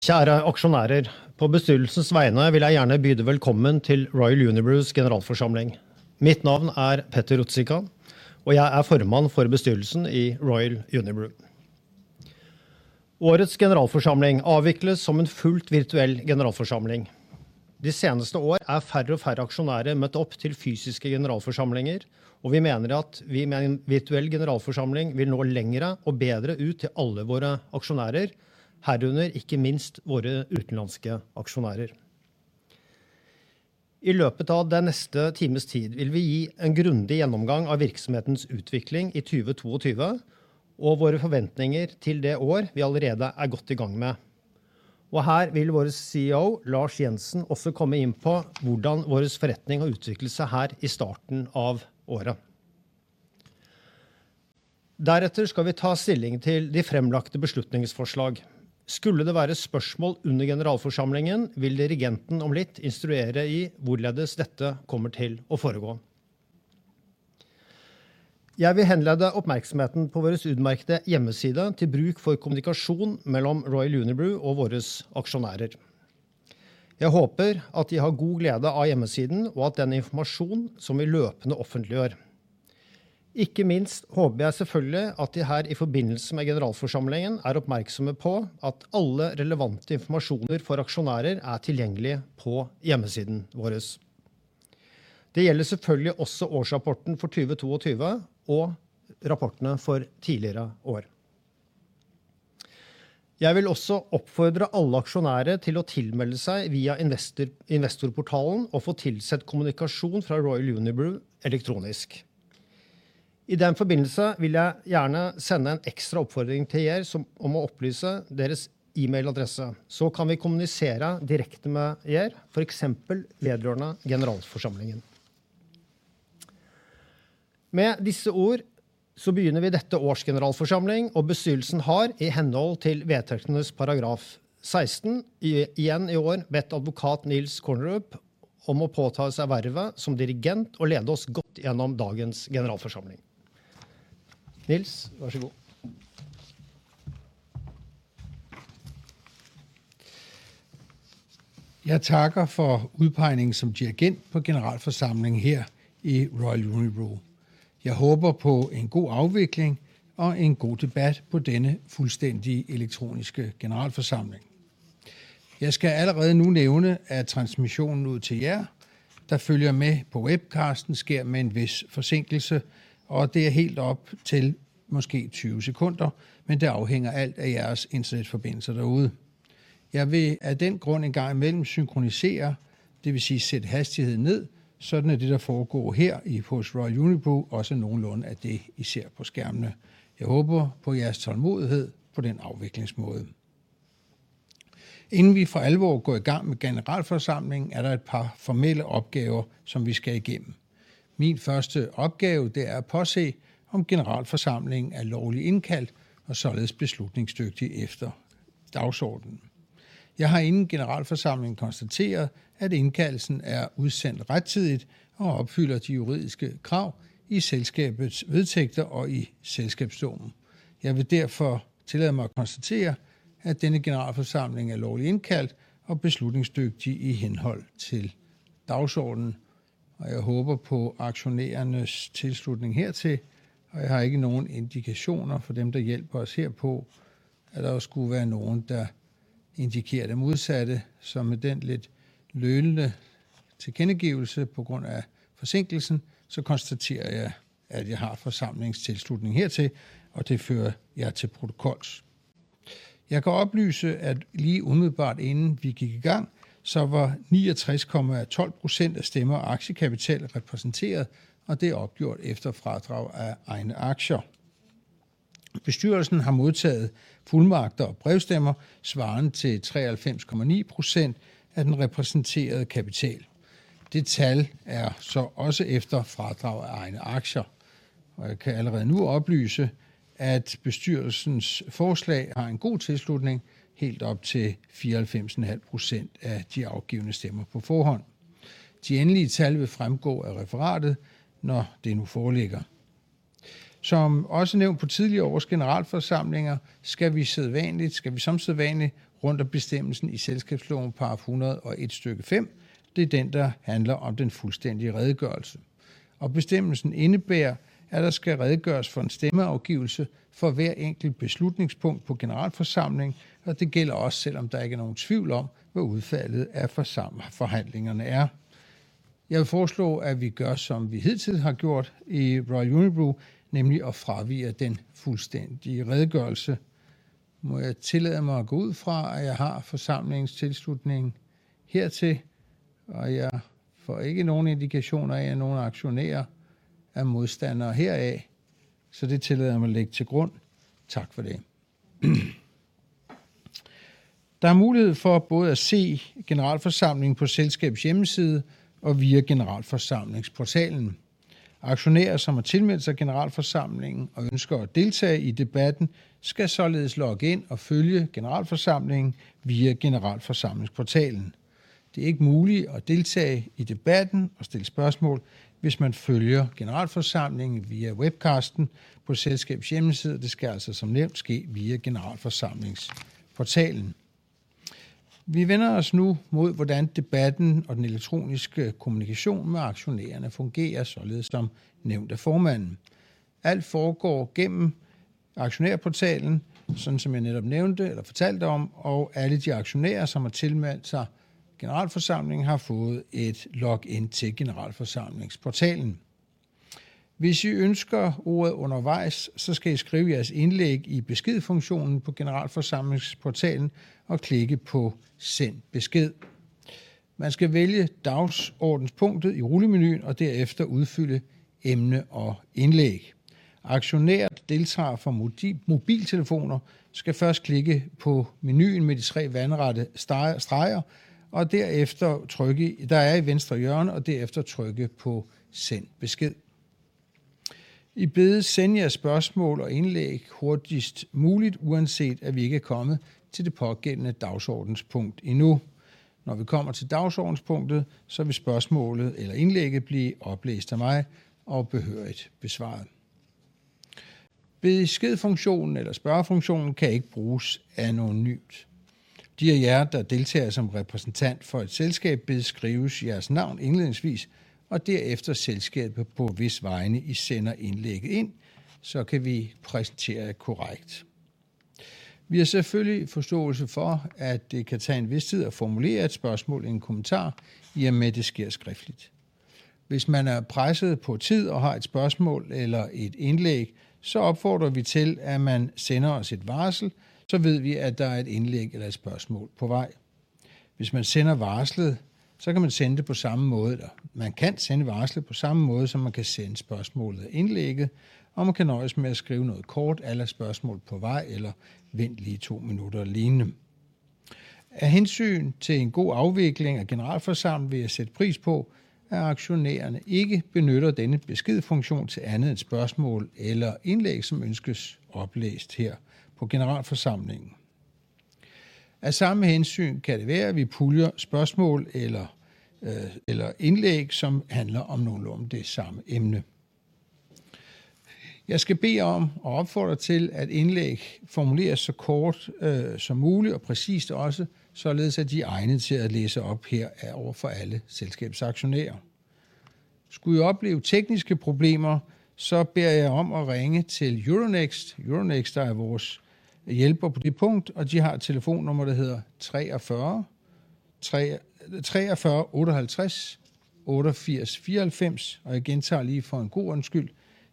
Kjære aksjonærer! På bestyrelsens vegne vil jeg gjerne by det velkommen til Royal Unibrews generalforsamling. Mitt navn er Peter Ruzicka, og jeg er formann for bestyrelsen i Royal Unibrew. Årets generalforsamling avvikles som en fullt virtuell generalforsamling. De seneste år er færre og færre aksjonærer møtt opp til fysiske generalforsamlinger, og vi mener at vi med en virtuell generalforsamling vil nå lenger og bedre ut til alle våre aksjonærer, herunder ikke minst våre utenlandske aksjonærer. I løpet av det neste times tid vil vi gi en grundig gjennomgang av virksomhetens utvikling i 2022 og våre forventninger til det år vi allerede er godt i gang med. Her vil våre CEO Lars Jensen også komme inn på hvordan våres forretning har utviklet seg her i starten av året. Deretter skal vi ta stilling til de fremlagte beslutningsforslag. Skulle det være spørsmål under generalforsamlingen, vil dirigenten om litt instruere i hvorledes dette kommer til å foregå. Jeg vil henlede oppmerksomheten på vores utmerkte hjemmeside til bruk for kommunikasjon mellom Royal Unibrew og våres aksjonærer. Jeg håper at de har god glede av hjemmesiden og at den informasjonen som vi løpende offentliggjør. Ikke minst håper jeg selvfølgelig at de her i forbindelse med generalforsamlingen er oppmerksomme på at alle relevante informasjoner for aksjonærer er tilgjengelige på hjemmesiden vores. Det gjelder selvfølgelig også årsrapporten for 2022 og rapportene for tidligere år. Jeg vil også oppfordre alle aksjonærer til å tilmelde seg via investorportalen og få tilsendt kommunikasjon fra Royal Unibrew elektronisk. I den forbindelse vil jeg gjerne sende en ekstra oppfordring til er om å opplyse deres e-mail adresse, så kan vi kommunisere direkte med er for eksempel vedrørende generalforsamlingen. Med disse ord begynder vi dette års generalforsamling og bestyrelsen har i henhold til vedtægternes paragraf 16 igen i år bedt Advokat Niels Kornerup om at påtage sig vervet som dirigent og lede os godt gennem dagens generalforsamling. Nils værsågod! Jeg takker for utpeking som dirigent på generalforsamling her i Royal Unibrew. Jeg håper på en god avvikling og en god debatt på denne fullstendige elektroniske generalforsamling. Jeg skal allerede nu nevne at transmissionen ut til jer der følger med på webcasten skjer med en viss forsinkelse, og det er helt opp til måske 20 sekunder, men det avhenger alt av jeres internettforbindelse der ute. Jeg vil av den grunn en gang imellom synkronisere, det vil si sette hastigheten ned. Sådan er det der foregår her i hos Royal Unibrew også. Noenlunde er det i ser på skjermene. Jeg håper på jeres tålmodighet på den avviklingsmåte. Inden vi for alvor går i gang med generalforsamlingen, er der et par formelle oppgaver som vi skal igjennom. Min første oppgave det er å påse om generalforsamlingen er lovlig innkalt og således beslutningsdyktig etter dagsorden. Jeg har innen generalforsamlingen konstantert at innkallelsen er utsendt rettidig og oppfyller de juridiske krav i selskapets vedtekter og i selskapsloven. Jeg vil derfor tillate meg å konstatere at denne generalforsamling er lovlig innkalt og beslutningsdyktig i henhold til dagsorden, og jeg håper på aksjonærenes tilslutning hertil. Jeg har ikke noen indikasjoner for dem som hjelper oss her på at det skulle være noen der indikerer det motsatte. Med den litt lallende tilkjennegivelse på grunn av forsinkelsen, så konstaterer jeg at jeg har forsamlingens tilslutning hertil, og det fører jeg til protokolls. Jeg kan opplyse at lige umiddelbart inden vi gikk i gang, så var 93.12% av stemmer og aksjekapital representert, og det er oppgjort etter fradrag av egne aksjer. Bestyrelsen har mottatt fullmakter og brevstemmer svarende til 53.9% av den representerte kapital. Det tall er så også etter fradrag av egne aksjer, jeg kan allerede nu opplyse at bestyrelsens forslag har en god tilslutning helt opp til 54.5% av de avgitte stemmer på forhånd. De endelige tall vil fremgå av referatet når det nå foreligger. Som også nevnt på tidligere års generalforsamlinger, skal vi som sædvanlig rundt om bestemmelsen i selskapsloven paragraf 101 stykke 5. Det er den der handler om den fullstendige redegjørelse, bestemmelsen innebærer at det skal redegjøres for en stemmeavgivelse for hver enkelt beslutningspunkt på generalforsamlingen. Det gjelder også selv om det ikke er noen tvil om hva utfallet av forhandlingene er. Jeg vil foreslå at vi gjør som vi hidtil har gjort i Royal Unibrew, nemlig å fravike den fullstendige redegjørelse. Må jeg tillate meg å gå ut fra at jeg har forsamlingens tilslutning hertil, og jeg får ikke noen indikasjoner av at noen aksjonærer er modstandere herav, så det tillater jeg meg å legge til grunn. Takk for det. Det er mulighet for både å se generalforsamlingen på selskapets hjemmeside og via generalforsamlingsportalen. Aksjonærer som har tilmeldt seg generalforsamlingen og ønsker å delta i debatten, skal således logge inn og følge generalforsamlingen via generalforsamlingsportalen. Det er ikke muligt at deltage i debatten og stille spørgsmål, hvis man følger generalforsamlingen via webcasten på selskabets hjemmeside. Det skal altså som nævnt ske via generalforsamlingsportalen. Vi vender os nu mod, hvordan debatten og den elektroniske kommunikation med aktionærerne fungerer, således som nævnt af formanden. Alt foregår gennem aktionærportalen. Sådan som jeg netop nævnte eller fortalte om, og alle de aktionærer, som har tilmeldt sig generalforsamlingen, har fået et login til generalforsamlingsportalen. Hvis I ønsker ordet undervejs, så skal I skrive jeres indlæg i beskedfunktionen på generalforsamlingsportalen og klikke på Send besked. Man skal vælge dagsordenspunktet i rullemenuen og derefter udfylde emne og indlæg. Aktionærer, der deltager fra mobiltelefoner, skal først klikke på menuen med de tre vandrette streger og derefter trykke. Der er i venstre hjørne og derefter trykke på Send besked. I bedes sende jeres spørgsmål og indlæg hurtigst muligt, uanset at vi ikke er kommet til det pågældende dagsordenspunkt endnu. Når vi kommer til dagsordenspunktet, så vil spørgsmålet eller indlægget blive oplæst af mig og behørigt besvaret. Beskedfunktionen eller spørgefunktionen kan ikke bruges anonymt. De af jer, der deltager som repræsentant for et selskab, bedes skrive jeres navn indledningsvis og derefter selskabet, på hvis vegne I sender indlægget ind. Vi kan præsentere jer korrekt. Vi har selvfølgelig forståelse for, at det kan tage en vis tid at formulere et spørgsmål i en kommentar, i og med det sker skriftligt. Hvis man er presset på tid og har et spørgsmål eller et indlæg, så opfordrer vi til, at man sender os et varsel. Ved vi, at der er et indlæg eller et spørgsmål på vej. Hvis man sender varslet, så kan man sende det på samme måde. Man kan sende varslet på samme måde, som man kan sende spørgsmålet og indlægget, og man kan nøjes med at skrive noget kort à la spørgsmål på vej eller vent lige to minutter og lignende. Af hensyn til en god afvikling af generalforsamlingen vil jeg sætte pris på, at aktionærerne ikke benytter denne besked funktion til andet end spørgsmål eller indlæg, som ønskes oplæst her på generalforsamlingen. Af samme hensyn kan det være, at vi puljer spørgsmål eller indlæg, som handler om nogenlunde det samme emne. Jeg skal bede jer om og opfordre til, at indlæg formuleres så kort som muligt og præcist også, således at de er egnet til at læse op her over for alle selskabets aktionærer. Skulle I opleve tekniske problemer, så beder jeg jer om at ringe til Euronext Securities, der er vores hjælper på det punkt, og de har et telefonnummer, der hedder 43 53 58 88 94. Jeg gentager lige for en god ordens skyld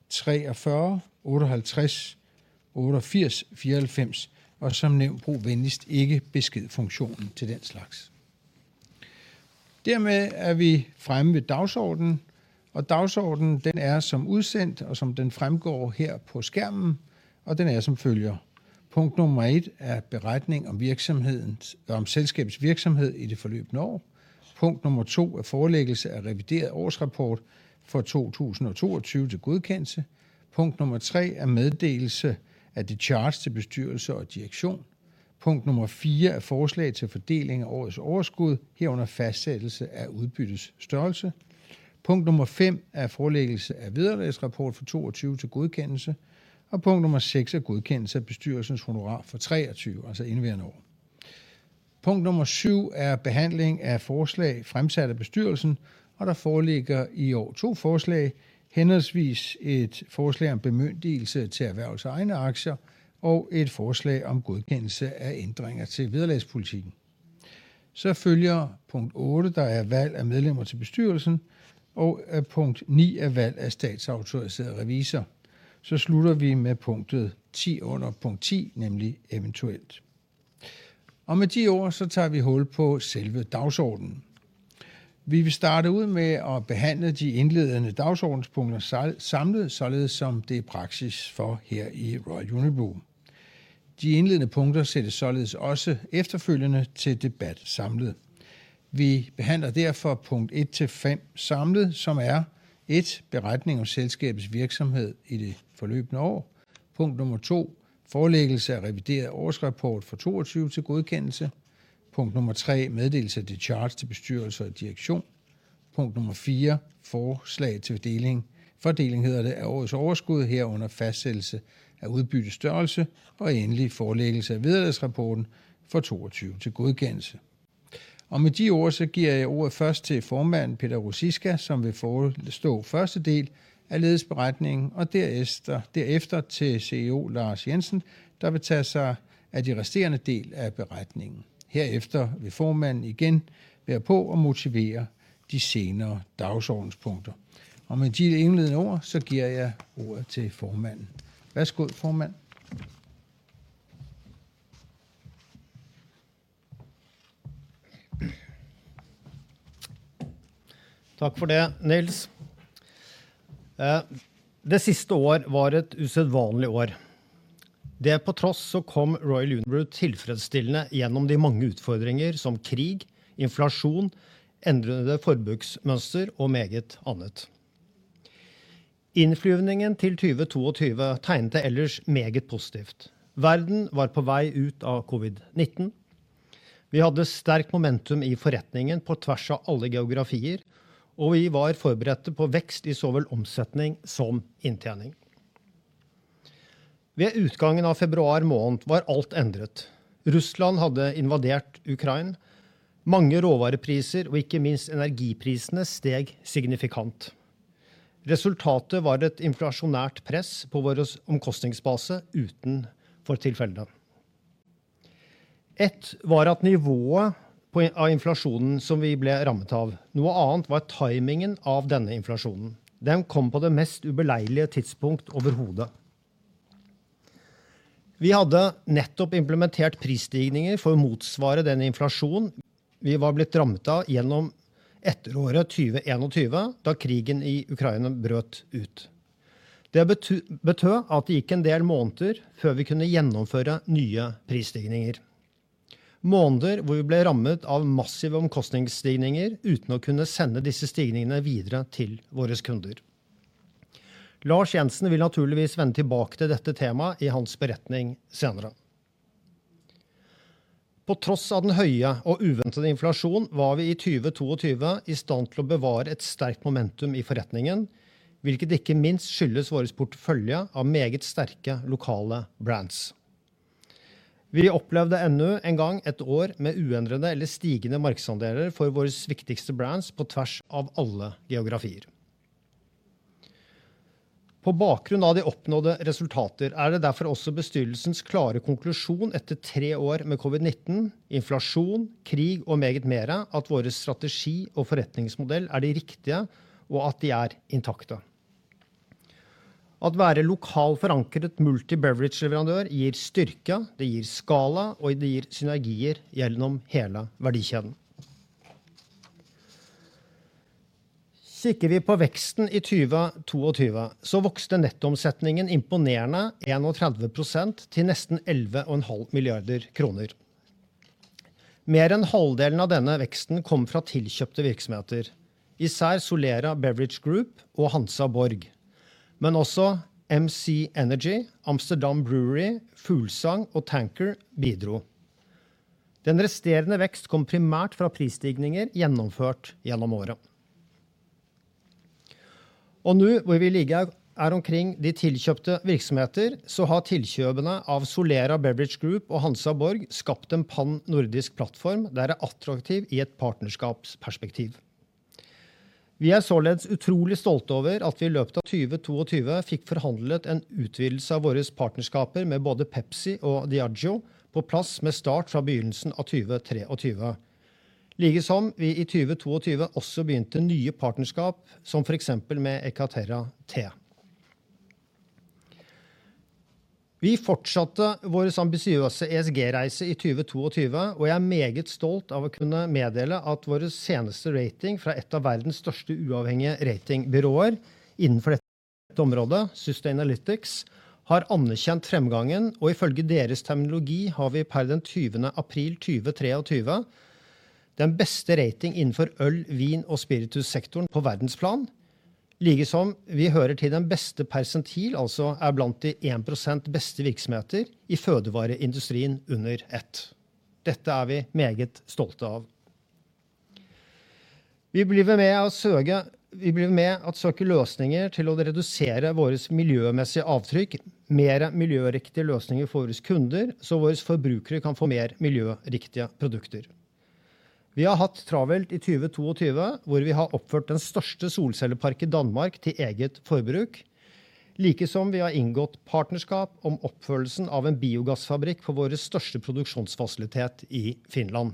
43 58 88 94. Som nævnt brug venligst ikke besked funktionen til den slags. Dermed er vi fremme ved dagsordenen, og dagsordenen er som udsendt, og som den fremgår her på skærmen. Den er som følger Punkt nummer 1 er beretning om selskabets virksomhed i det forløbne år. Punkt nummer 2 er forelæggelse af revideret årsrapport for 2022 til godkendelse. Punkt nummer 3 er meddelelse af det charge til bestyrelse og direktion. Punkt nummer 4 er forslag til fordeling af årets overskud, herunder fastsættelse af udbyttets størrelse. Punkt nummer 5 er forelæggelse af vederlagsrapport for 2022 til godkendelse. Punkt nummer 6 er godkendelse af bestyrelsens honorar for 2023, altså indeværende år. Punkt nummer 7 er behandling af forslag fremsat af bestyrelsen, og der foreligger i år 2 forslag, henholdsvis et forslag om bemyndigelse til erhvervelse af egne aktier og et forslag om godkendelse af ændringer til vederlagspolitikken. Følger punkt 8. Der er valg af medlemmer til bestyrelsen og punkt 9 er valg af statsautoriseret revisor. Slutter vi med punktet 10 under punkt 10, nemlig eventuelt. Med de ord tager vi hul på selve dagsordenen. Vi vil starte ud med at behandle de indledende dagsordenspunkter samlet, således som det er praksis for her i Royal Unibrew. De indledende punkter sættes således også efterfølgende til debat samlet. Vi behandler derfor punkt 1-5 samlet, som er et beretning om selskabets virksomhed i det forløbne år. Punkt 2 Forelæggelse af revideret årsrapport for 2022 til godkendelse. Punkt 3 Meddelelse af det charge til bestyrelse og direktion. Punkt 4 Forslag til fordeling hedder det af årets overskud, herunder fastsættelse af udbyttets størrelse og endelig forelæggelse af vederlagsrapporten for 2022 til godkendelse. Med de ord giver jeg ordet først til Chairman Peter Ruzicka, som vil forestå første del af ledelses beretningen og derefter til CEO Lars Jensen, der vil tage sig af de resterende dele af beretningen. Herefter vil the Chairman igen være på og motivere de senere dagsordenspunkter. Med de indledende ord, giver jeg ordet til Formanden. Værsgo Formand. Takk for det, Niels. Det siste år var et usedvanlig år. Det på tross kom Royal Unibrew tilfredsstillende gjennom de mange utfordringer som krig, inflasjon, endrede forbruksmønster og meget annet. Innflyvningen til 2022 tegnet ellers meget positivt. Verden var på vei ut av COVID-19. Vi hadde sterk momentum i forretningen på tvers av alle geografier, og vi var forberedte på vekst i så vel omsetning som inntjening. Ved utgangen av februar måned var alt endret. Russland hadde invadert Ukraina. Mange råvarepriser og ikke minst energiprisene steg signifikant. Resultatet var et inflasjonært press på vår omkostningsbase utenfor tilfellene. Ett var at nivået på av inflasjonen som vi ble rammet av. Noe annet var timingen av denne inflasjonen. Den kom på det mest ubeleilige tidspunkt overhodet. Vi hadde nettopp implementert prisstigninger for å motsvare den inflasjonen vi var blitt rammet av gjennom etteråret 2021, da krigen i Ukraina brøt ut. Det betø at det gikk en del måneder før vi kunne gjennomføre nye prisstigninger. Måneder hvor vi ble rammet av massive omkostningsstigninger uten å kunne sende disse stigningene videre til våre kunder. Lars Jensen vil naturligvis vende tilbake til dette temaet i hans beretning senere. På tross av den høye og uventede inflasjon var vi i 2022 i stand til å bevare et sterkt momentum i forretningen, hvilket ikke minst skyldes vår portefølje av meget sterke lokale brands. Vi opplevde ennå en gang et år med uendrede eller stigende markedsandeler for våre viktigste brands på tvers av alle geografier. På bakgrunn av de oppnådde resultater er det derfor også bestyrelsens klare konklusjon. Etter tre år med COVID-19 inflasjon, krig og meget mer, at vår strategi og forretningsmodell er de riktige og at de er intakte. At være lokal forankret multi-beverage leverandør gir styrke det gir skala, og det gir synergier gjennom hele verdikjeden. Sikker vi på veksten i 2022 så vokste nettoomsetningen imponerende 31% til nesten 11.5 billion kroner. Mer enn half av denne veksten kom fra tilkjøpte virksomheter, i særdeleshet Solera Beverage Group og Hansa Borg, men også MC Energy, Amsterdam Brewery, Fuglsang og Tanker bidro. Den resterende vekst kom primært fra prisstigninger gjennomført gjennom året. Nå hvor vi ligger er omkring de tilkjøpte virksomheter, så har tilkjøpene av Solera Beverage Group og Hansa Borg skapt en pan-Nordic plattform der det er attraktivt i et partnerskapsperspektiv. Vi er således utrolig stolte over at vi i løpet av 2022 fikk forhandlet en utvidelse av våre partnerskap med både Pepsi og Diageo på plass med start fra begynnelsen av 2023, likesom vi i 2022 også begynte nye partnerskap, som for eksempel med ekaterra Te. Vi fortsatte våre ambisiøse ESG-reise i 2022, og jeg er meget stolt av å kunne meddele at vår seneste rating fra et av verdens største uavhengige ratingbyråer innenfor dette området, Sustainalytics har anerkjent fremgangen, og ifølge deres terminologi har vi per den 20th April 2023 den beste rating innenfor øl, vin og spiritus sektoren på verdensplan. Likesom vi hører til den beste persentil, altså er blant de 1% beste virksomheter i fødevareindustrien under ett. Dette er vi meget stolte av. Vi blir med å søke. Vi blir med å søke løsninger til å redusere vårt miljømessige avtrykk. Mer miljøriktige løsninger for våre kunder så våre forbrukere kan få mer miljøriktige produkter. Vi har hatt travelt i 2022 hvor vi har oppført den største solcellepark i Danmark til eget forbruk, likesom vi har inngått partnerskap om oppførelsen av en biogassfabrikk for våre største produksjonsfasilitet i Finland.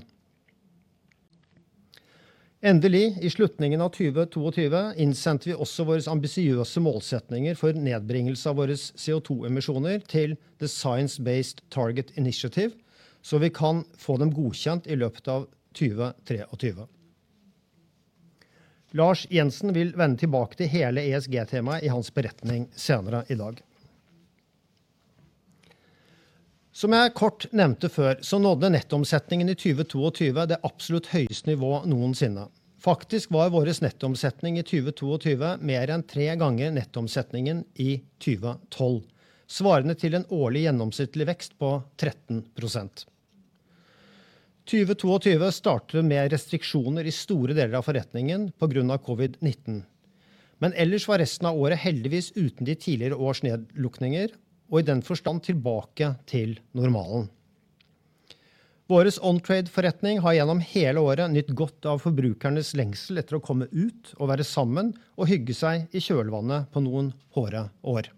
I slutningen av 2022 innsendte vi også våre ambisiøse målsettinger for nedbringelse av våre CO2 emisjoner til the Science Based Targets initiative, så vi kan få dem godkjent i løpet av 2023. Lars Jensen vil vende tilbake til hele ESG temaet i hans beretning senere i dag. Som jeg kort nevnte før, nådde nettoomsetningen i 2022 det absolutt høyeste nivå noensinne. Faktisk var vores nettoomsetning i 2022 mer enn 3 times nettoomsetningen i 2012, svarende til en årlig gjennomsnittlig vekst på 13%. 2022 startet med restriksjoner i store deler av forretningen på grunn av COVID-19, men ellers var resten av året heldigvis uten de tidligere års nedlukkinger og i den forstand tilbake til normalen. Våres on-trade forretning har gjennom hele året nytt godt av forbrukernes lengsel etter å komme ut og være sammen og hygge seg i kjølvannet på noen harde år.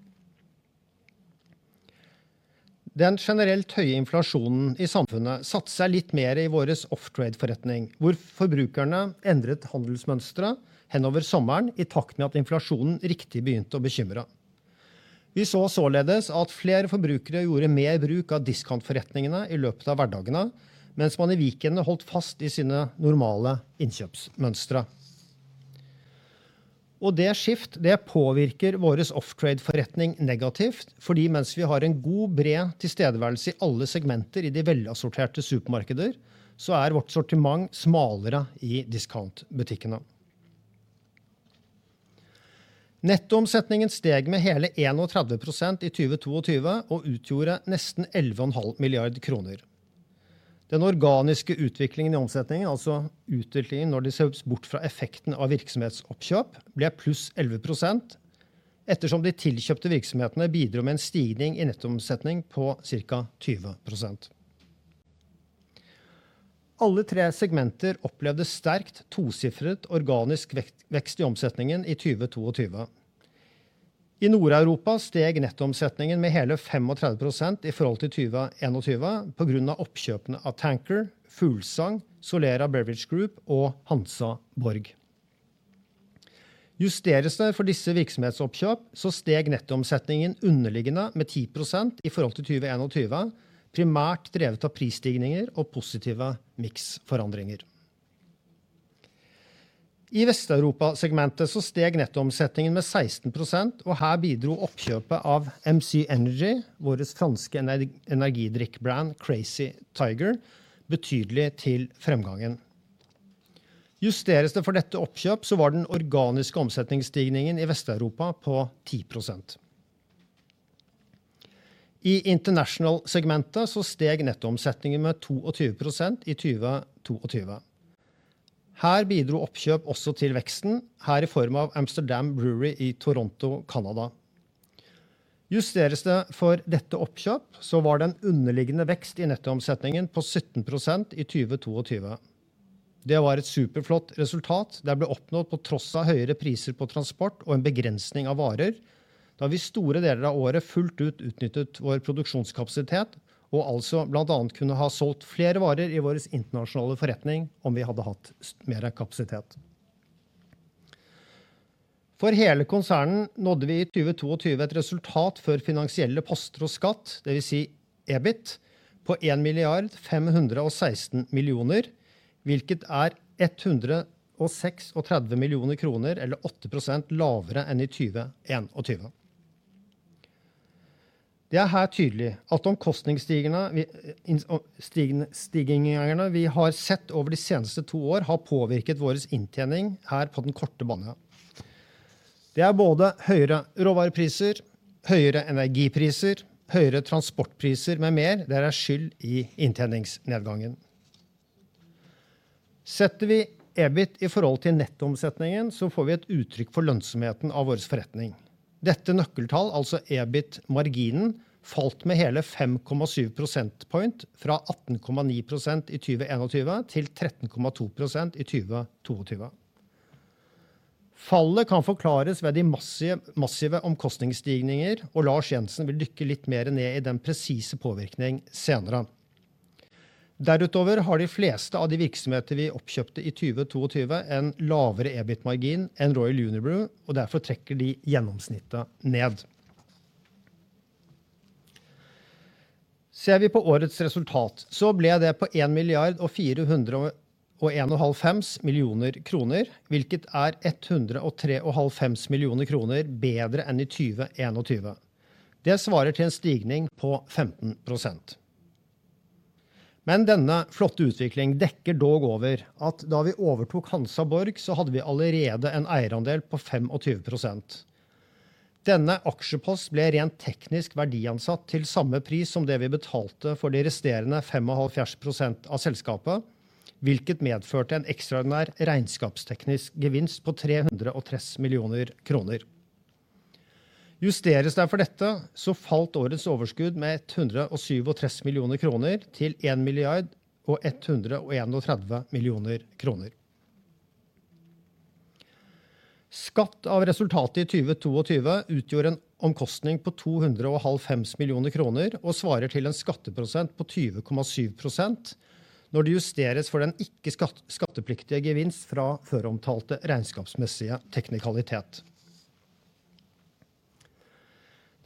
Den generelt høye inflasjonen i samfunnet satte seg litt mer i våres off-trade forretning, hvor forbrukerne endret handelsmønsteret hen over sommeren i takt med at inflasjonen riktig begynte å bekymre. Vi så således at flere forbrukere gjorde mer bruk av discountforretningene i løpet av hverdagene, mens man i weekendene holdt fast i sine normale innkjøpsmønstre. Det skift det påvirker våres off-trade forretning negativt. Mens vi har en god bred tilstedeværelse i alle segmenter i de velassorterte supermarkeder, så er vårt sortiment smalere i discountbutikkene. Nettoomsetningen steg med hele 31% i 2022 og utgjorde nesten 11.5 billion kroner. Den organiske utviklingen i omsetningen, altså underliggende når det ses bort fra effekten av virksomhetsoppkjøp, ble pluss 11% ettersom de tilkjøpte virksomhetene bidro med en stigning i nettoomsetning på cirka 20%. Alle three segmenter opplevde sterkt tosifret organisk vekst i omsetningen i 2022. I Nord-Europa steg nettoomsetningen med hele 35% i forhold til 2021 på grunn av oppkjøpene av Tanker, Fuglsang, Solera Beverage Group og Hansa Borg. Justeres det for disse virksomhetsoppkjøp, så steg nettoomsetningen underliggende med 10% i forhold til 2021. Primært drevet av prisstigninger og positive miksforandringer. Vest-Europa segmentet steg nettoomsetningen med 16%. Her bidro oppkjøpet av MC Energy, vores franske energidrikkbrand Crazy Tiger betydelig til fremgangen. Justeres det for dette oppkjøp, var den organiske omsetningsstigningen i Vest-Europa på 10%. International segmentet steg nettoomsetningen med 22% i 2022. Her bidro oppkjøp også til veksten. Her i form av Amsterdam Brewery i Toronto, Canada. Justeres det for dette oppkjøp, var det en underliggende vekst i nettoomsetningen på 17% i 2022. Det var et superflott resultat. Det ble oppnådd på tross av høyere priser på transport og en begrensning av varer. Da vi store deler av året fullt ut utnyttet vår produksjonskapasitet, og altså blant annet kunne ha solgt flere varer i vores internasjonale forretning om vi hadde hatt mer kapasitet. For hele konsernet nådde vi i 2022 et resultat før finansielle poster og skatt, det vil si EBIT på 1,516 million, hvilket er 136 million kroner eller 8% lavere enn i 2021. Det er her tydelig at omkostningsstigninger vi har sett over de seneste 2 år har påvirket vores inntjening her på den korte banen. Det er både høyere råvarepriser, høyere energipriser, høyere transportpriser med mer. Det er skyld i inntjeningsnedgangen. Setter vi EBIT i forhold til nettoomsetningen, så får vi et uttrykk for lønnsomheten av vores forretning. Dette nøkkeltal, altså EBIT marginen, falt med hele 5.7 percentage points fra 18.9% i 2021 til 13.2% i 2022. Fallet kan forklares ved de massive omkostningsstigninger, og Lars Jensen vil dykke litt mer ned i den presise påvirkning senere. Derutover har de fleste av de virksomheter vi oppkjøpte i 2022 en lavere EBIT margin enn Royal Unibrew, og derfor trekker de gjennomsnittet ned. Ser vi på årets resultat, så ble det på 1,451 million kroner, hvilket er DKK 153 million bedre enn i 2021. Det svarer til en stigning på 15%. Denne flotte utvikling dekker dog over at da vi overtok Hansa Borg så hadde vi allerede en eierandel på 25%. Denne aksjepost ble rent teknisk verdiansatt til samme pris som det vi betalte for de resterende 75% av selskapet, hvilket medførte en ekstraordinær regnskapsteknisk gevinst på 330 million kroner. Justeres det for dette, falt årets overskudd med 137 million kroner til 1.131 billion. Skatt av resultatet i 2022 utgjorde en omkostning på 290 million og svarer til en skatteprosent på 20.7%. Når det justeres for den ikke skattepliktige gevinst fra føromtalte regnskapsmessige teknikalitet.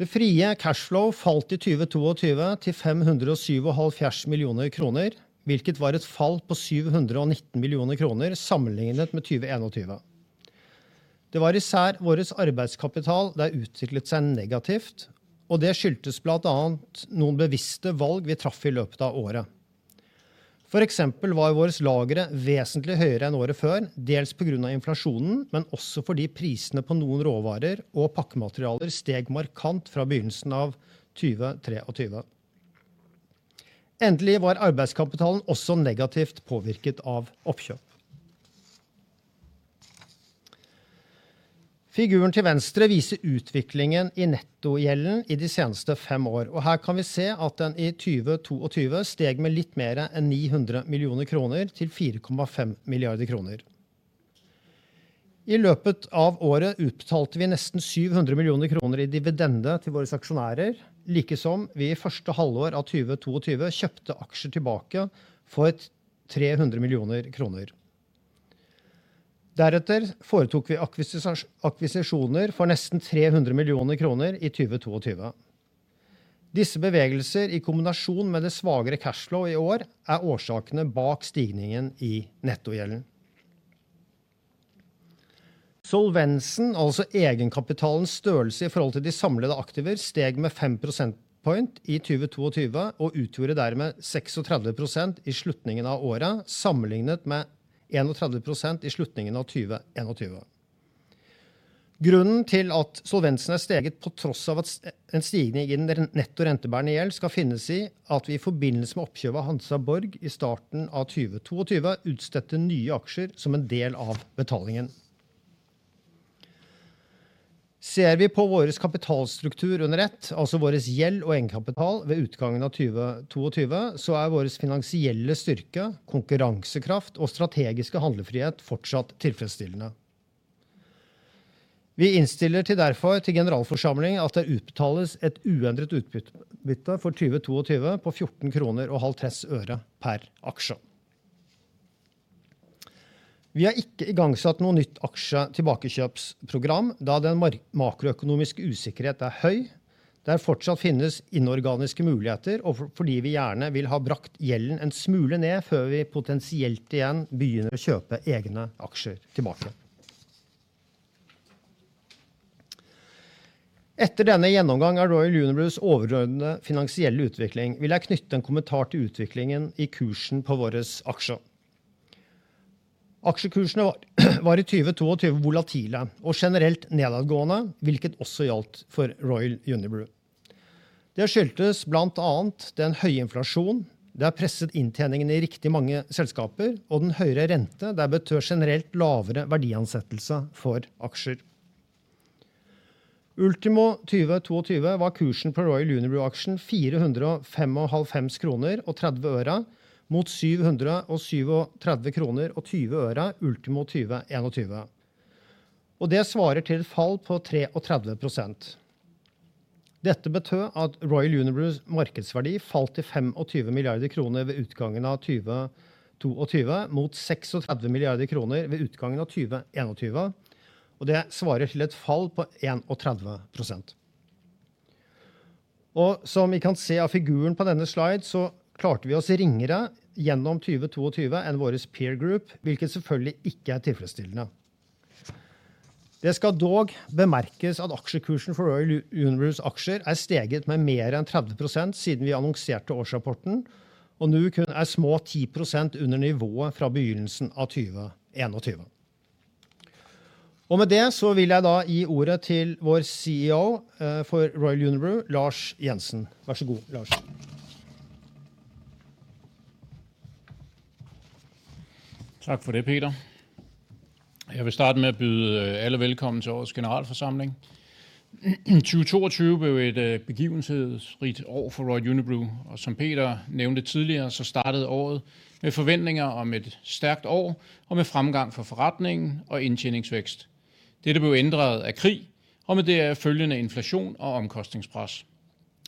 Det frie cash flow falt i 2022 til 547 million kroner, hvilket var et fall på 719 million kroner sammenlignet med 2021. Det var især vores arbeidskapital det utviklet seg negativt, det skyldtes blant annet noen bevisste valg vi traff i løpet av året. For eksempel var vores lagre vesentlig høyere enn året før, dels på grunn av inflasjonen, også fordi prisene på noen råvarer og pakkematerialer steg markant fra begynnelsen av 2023. Endelig var arbeidskapitalen også negativt påvirket av oppkjøp. Figuren til venstre viser utviklingen i nettogjelden i de seneste fem år, her kan vi se at den i 2022 steg med litt mer enn 900 million kroner til 4.5 billion kroner. I løpet av året utbetalte vi nesten 700 million kroner i dividende til våre aksjonærer, likesom vi i første halvår av 2022 kjøpte aksjer tilbake for DKK 300 million. foretok vi akvisisjoner for nesten DKK 300 million i 2022. Disse bevegelser, i kombinasjon med det svakere cash flow i år er årsakene bak stigningen i nettogjelden. Solvensen, altså egenkapitalens størrelse i forhold til de samlede aktiver, steg med 5 percentage points i 2022, og utgjorde dermed 36% i slutningen av året, sammenlignet med 31% i slutningen av 2021.Grunnen til at solvensen er steget på trass av at en stigning i den netto rentebærende gjeld skal finnes i at vi i forbindelse med oppkjøpet av Hansa Borg i starten av 2022 utstedte nye aksjer som en del av betalingen. Ser vi på vores kapitalstruktur under ett, altså vores gjeld og egenkapital ved utgangen av 2022, er vores finansielle styrke, konkurransekraft og strategiske handlefrihet fortsatt tilfredsstillende. Vi innstiller til derfor til generalforsamling at det utbetales et uendret utbytte for 2022 på 14.50 kroner per aksje. Vi har ikke igangsatt noe nytt aksjetilbakekjøpsprogram da den makroøkonomiske usikkerhet er høy. Det er fortsatt finnes inorganiske muligheter, og fordi vi gjerne vil ha bragt gjelden en smule ned før vi potensielt igjen begynner å kjøpe egne aksjer tilbake. Etter denne gjennomgang av Royal Unibrew's overordnede finansielle utvikling, vil jeg knytte en kommentar til utviklingen i kursen på vores aksjer. Aksjekursene var i 2022 volatile og generelt nedadgående, hvilket også gjaldt for Royal Unibrew. Det skyltes blant annet den høye inflasjon. Det er presset inntjeningen i riktig mange selskaper og den høyere rente. Det betyr generelt lavere verdsettelse for aksjer. Ultimo 2022 var kursen på Royal Unibrew aksjen DKK 435.30 mot 737.20 kroner ultimo 2021, og det svarer til et fall på 33%. Dette betø at Royal Unibrews markedsverdi falt til 25 billion kroner ved utgangen av 2022, mot 36 billion kroner ved utgangen av 2021. Det svarer til et fall på 31%. Som vi kan se av figuren på denne slide, så klarte vi oss ringere gjennom 2022 enn vores peer group, hvilket selvfølgelig ikke er tilfredsstillende. Det skal dog bemerkes at aksjekursen for Royal Unibrews aksjer er steget med mer enn 30% siden vi annonserte årsrapporten, og nå kun er små 10% under nivået fra begynnelsen av 2021. Med det så vil jeg da gi ordet til vår CEO for Royal Unibrew, Lars Jensen. Vær så god, Lars! Tak for det, Peter. Jeg vil starte med at byde alle velkommen til årets generalforsamling. 2022 blev et begivenhedsrigt år for Royal Unibrew. Som Peter nævnte tidligere, startede året med forventninger om et stærkt år og med fremgang for forretningen og indtjeningsvækst. Dette blev ændret af krig og med deraf følgende inflation og omkostningspres.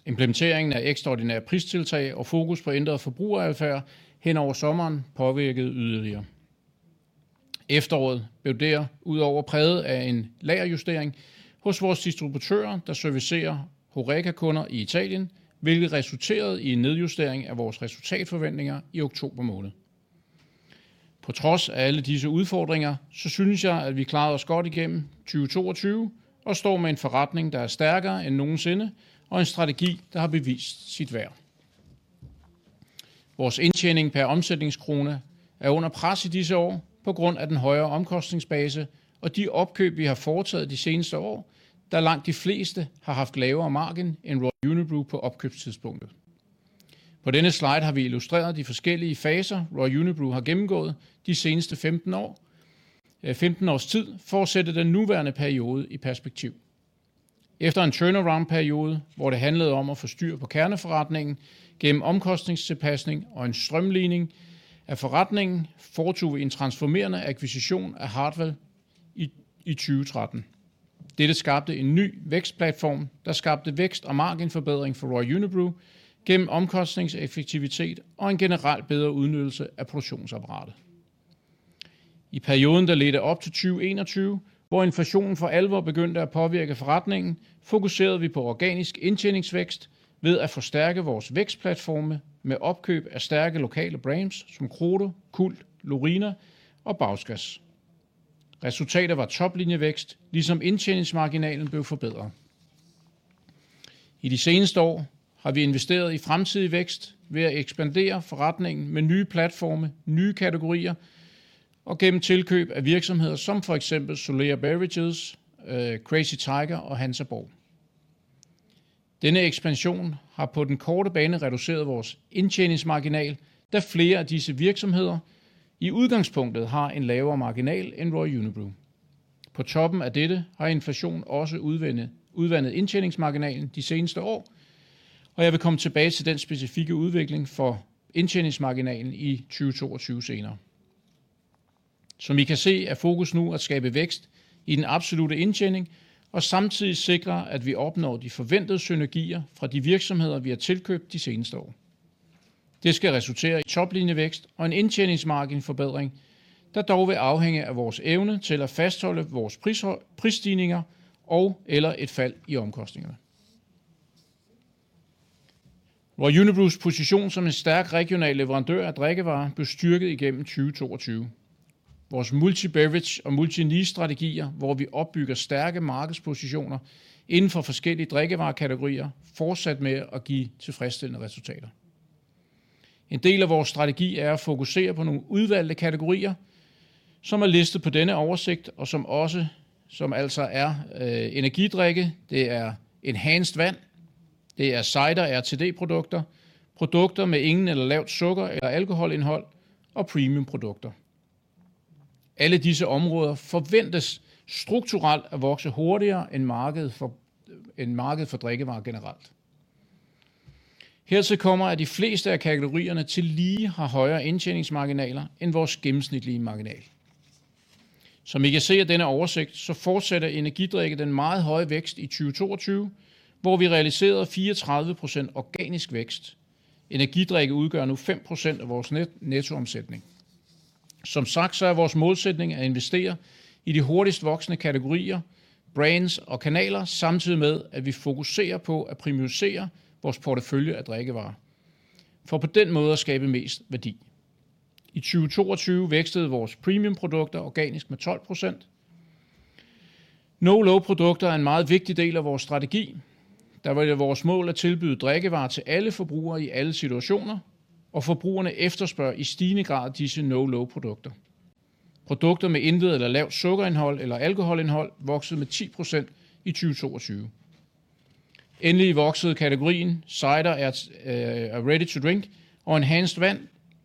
Implementeringen af ekstraordinære pristiltag og fokus på ændret forbrugeradfærd hen over sommeren påvirkede yderligere. Efteråret blev derudover præget af en lagerjustering hos vores distributører, der servicerer HORECA kunder i Italien, hvilket resulterede i en nedjustering af vores resultatforventninger i oktober måned. På trods af alle disse udfordringer, synes jeg, at vi klarede os godt igennem 2022 og står med en forretning, der er stærkere end nogensinde og en strategi, der har bevist sit værd. Vores indtjening pr. omsætningskrone er under pres i disse år på grund af den højere omkostningsbase og de opkøb, vi har foretaget de seneste år, da langt de fleste har haft lavere margin end Royal Unibrew på opkøbstidspunktet. På denne slide har vi illustreret de forskellige faser, Royal Unibrew har gennemgået de seneste 15 års tid for at sætte den nuværende periode i perspektiv. Efter en turnaround period, hvor det handlede om at få styr på kerneforretningen gennem omkostningstilpasning og en streamlining af forretningen, foretog vi en transformerende acquisition af Hartwall i 2013. Dette skabte en ny vækstplatform, der skabte vækst og marginforbedring for Royal Unibrew gennem omkostningseffektivitet og en generel bedre udnyttelse af produktionsapparatet. I perioden, der ledte op til 2021, hvor inflationen for alvor begyndte at påvirke forretningen, fokuserede vi på organisk indtjeningsvækst ved at forstærke vores vækstplatforme med opkøb af stærke lokale brands som Crodo, CULT, LORINA og Bauskas. Resultatet var toplinjevækst, ligesom indtjeningsmarginalen blev forbedret. I de seneste år har vi investeret i fremtidig vækst ved at ekspandere forretningen med nye platforme, nye kategorier og gennem tilkøb af virksomheder som for eksempel Solera Beverages, Crazy Tiger og Hansa Borg. Denne ekspansion har på den korte bane reduceret vores indtjeningsmarginal, da flere af disse virksomheder i udgangspunktet har en lavere marginal end Royal Unibrew. På toppen af dette har inflation også udvandet indtjeningsmarginalen de seneste år. Jeg vil komme tilbage til den specifikke udvikling for indtjeningsmarginalen i 2022 senere. Som I kan se, er fokus nu at skabe vækst i den absolutte indtjening og samtidig sikre, at vi opnår de forventede synergier fra de virksomheder, vi har tilkøbt de seneste år. Det skal resultere i toplinjevækst og en indtjeningsmarginforbedring, der dog vil afhænge af vores evne til at fastholde vores pris, prisstigninger og eller et fald i omkostningerne. Royal Unibrews position som en stærk regional leverandør af drikkevarer blev styrket igennem 2022. Vores multi-beverage og multi lease strategier, hvor vi opbygger stærke markedspositioner inden for forskellige drikkevarekategorier, fortsatte med at give tilfredsstillende resultater. En del af vores strategi er at fokusere på nogle udvalgte kategorier, som er listet på denne oversigt, som altså er energidrikke. Det er enhanced vand, det er cider, RTD produkter med ingen eller lavt sukker eller alkoholindhold og premium produkter. Alle disse områder forventes strukturelt at vokse hurtigere end markedet for drikkevarer generelt. Hertil kommer, at de fleste af kategorierne tillige har højere indtjeningsmarginaler end vores gennemsnitlige marginale. Som I kan se af denne oversigt, fortsætter energidrikke den meget høje vækst i 2022, hvor vi realiserede 34% organisk vækst. Energidrikke udgør nu 5% af vores nettoomsætning. Som sagt, er vores målsætning at investere i de hurtigst voksende kategorier, brands og kanaler, samtidig med at vi fokuserer på at primusere vores portefølje af drikkevarer for på den måde at skabe mest værdi. I 2022 voksede vores premium produkter organisk med 12%. no/low produkter er en meget vigtig del af vores strategi. Det var vores mål at tilbyde drikkevarer til alle forbrugere i alle situationer, og forbrugerne efterspørger i stigende grad disse no/low produkter. Produkter med intet eller lavt sukkerindhold eller alkoholindhold voksede med 10% i 2022. Endelig voksede kategorien Cider er Ready to drink og enhanced vand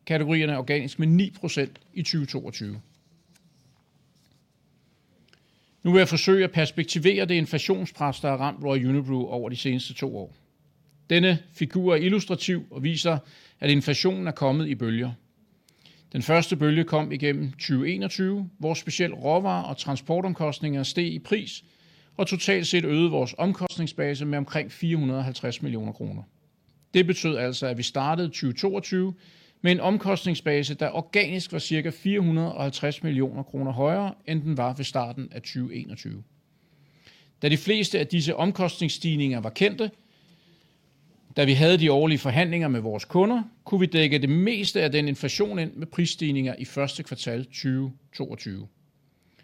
kategorierne organisk med 9% i 2022. Nu vil jeg forsøge at perspektivere det inflationspres, der har ramt Royal Unibrew over de seneste to år. Denne figur er illustrativ og viser, at inflationen er kommet i bølger. Den første bølge kom igennem 2021, hvor specielt råvarer og transportomkostninger steg i pris og totalt set øgede vores omkostningsbase med omkring 450 million kroner. Det betød altså, at vi startede 2022 med en omkostningsbase, der organisk var cirka 450 million kroner højere, end den var ved starten af 2021. Da de fleste af disse omkostningsstigninger var kendte, da vi havde de årlige forhandlinger med vores kunder, kunne vi dække det meste af den inflation ind med prisstigninger i first quarter 2022.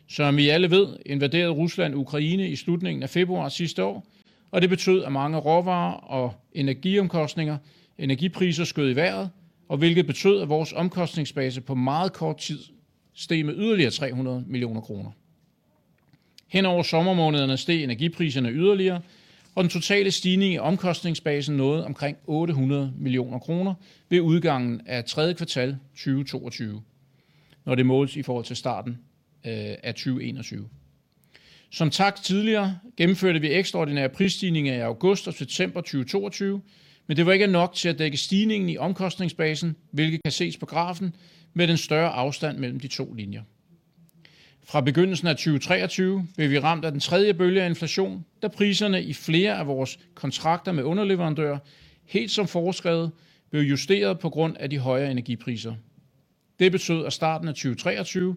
Som I alle ved, invaderede Rusland Ukraine i slutningen af februar sidste år, og det betød, at mange råvarer og energipriser skød i vejret, og hvilket betød, at vores omkostningsbase på meget kort tid steg med yderligere 300 million kroner. Hen over sommermånederne steg energipriserne yderligere, og den totale stigning i omkostningsbasen nåede omkring 800 million kroner ved udgangen af tredje kvartal 2022. Når det måles i forhold til starten af 2021. Som sagt tidligere gennemførte vi ekstraordinære prisstigninger i August og September 2022, men det var ikke nok til at dække stigningen i omkostningsbasen, hvilket kan ses på grafen med den større afstand mellem de to linjer. Fra begyndelsen af 2023 blev vi ramt af den tredje bølge af inflation, da priserne i flere af vores kontrakter med underleverandører helt som foreskrevet blev justeret på grund af de højere energipriser. Det betød, at starten af 2023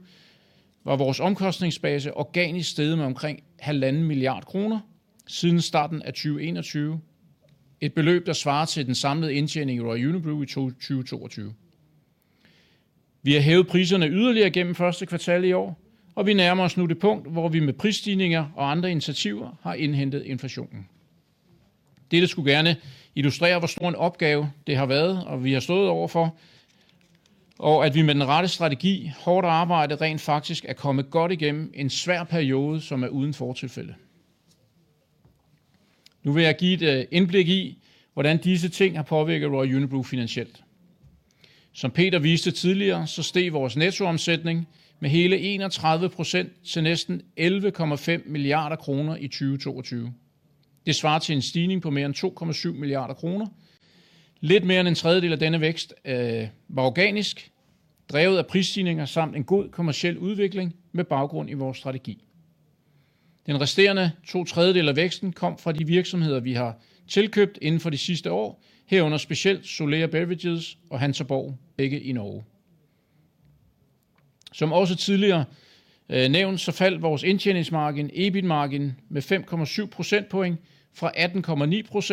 var vores omkostningsbase organisk steget med omkring 1.5 billion DKK siden starten af 2021. Et beløb, der svarer til den samlede indtjening i Royal Unibrew i 2022. Vi har hævet priserne yderligere gennem first quarter i år, og vi nærmer os nu det punkt, hvor vi med prisstigninger og andre initiativer har indhentet inflationen. Dette skulle gerne illustrere, hvor stor en opgave det har været, og vi har stået overfor, og at vi med den rette strategi hårdt arbejde rent faktisk er kommet godt igennem en svær periode, som er uden fortilfælde. Nu vil jeg give et indblik i, hvordan disse ting har påvirket Royal Unibrew finansielt. Som Peter viste tidligere, så steg vores nettoomsætning med hele 31% til næsten 11.5 billion kroner i 2022. Det svarer til en stigning på mere end 2.7 billion kroner. Lidt mere end en tredjedel af denne vækst var organisk drevet af prisstigninger samt en god kommerciel udvikling med baggrund i vores strategi. Den resterende to tredjedele af væksten kom fra de virksomheder, vi har tilkøbt inden for de sidste år, herunder specielt Solera Beverages og Hansaborg, begge i Norge. Som også tidligere nævnt, så faldt vores indtjeningsmargin, EBIT margin, med 5.7 percentage points fra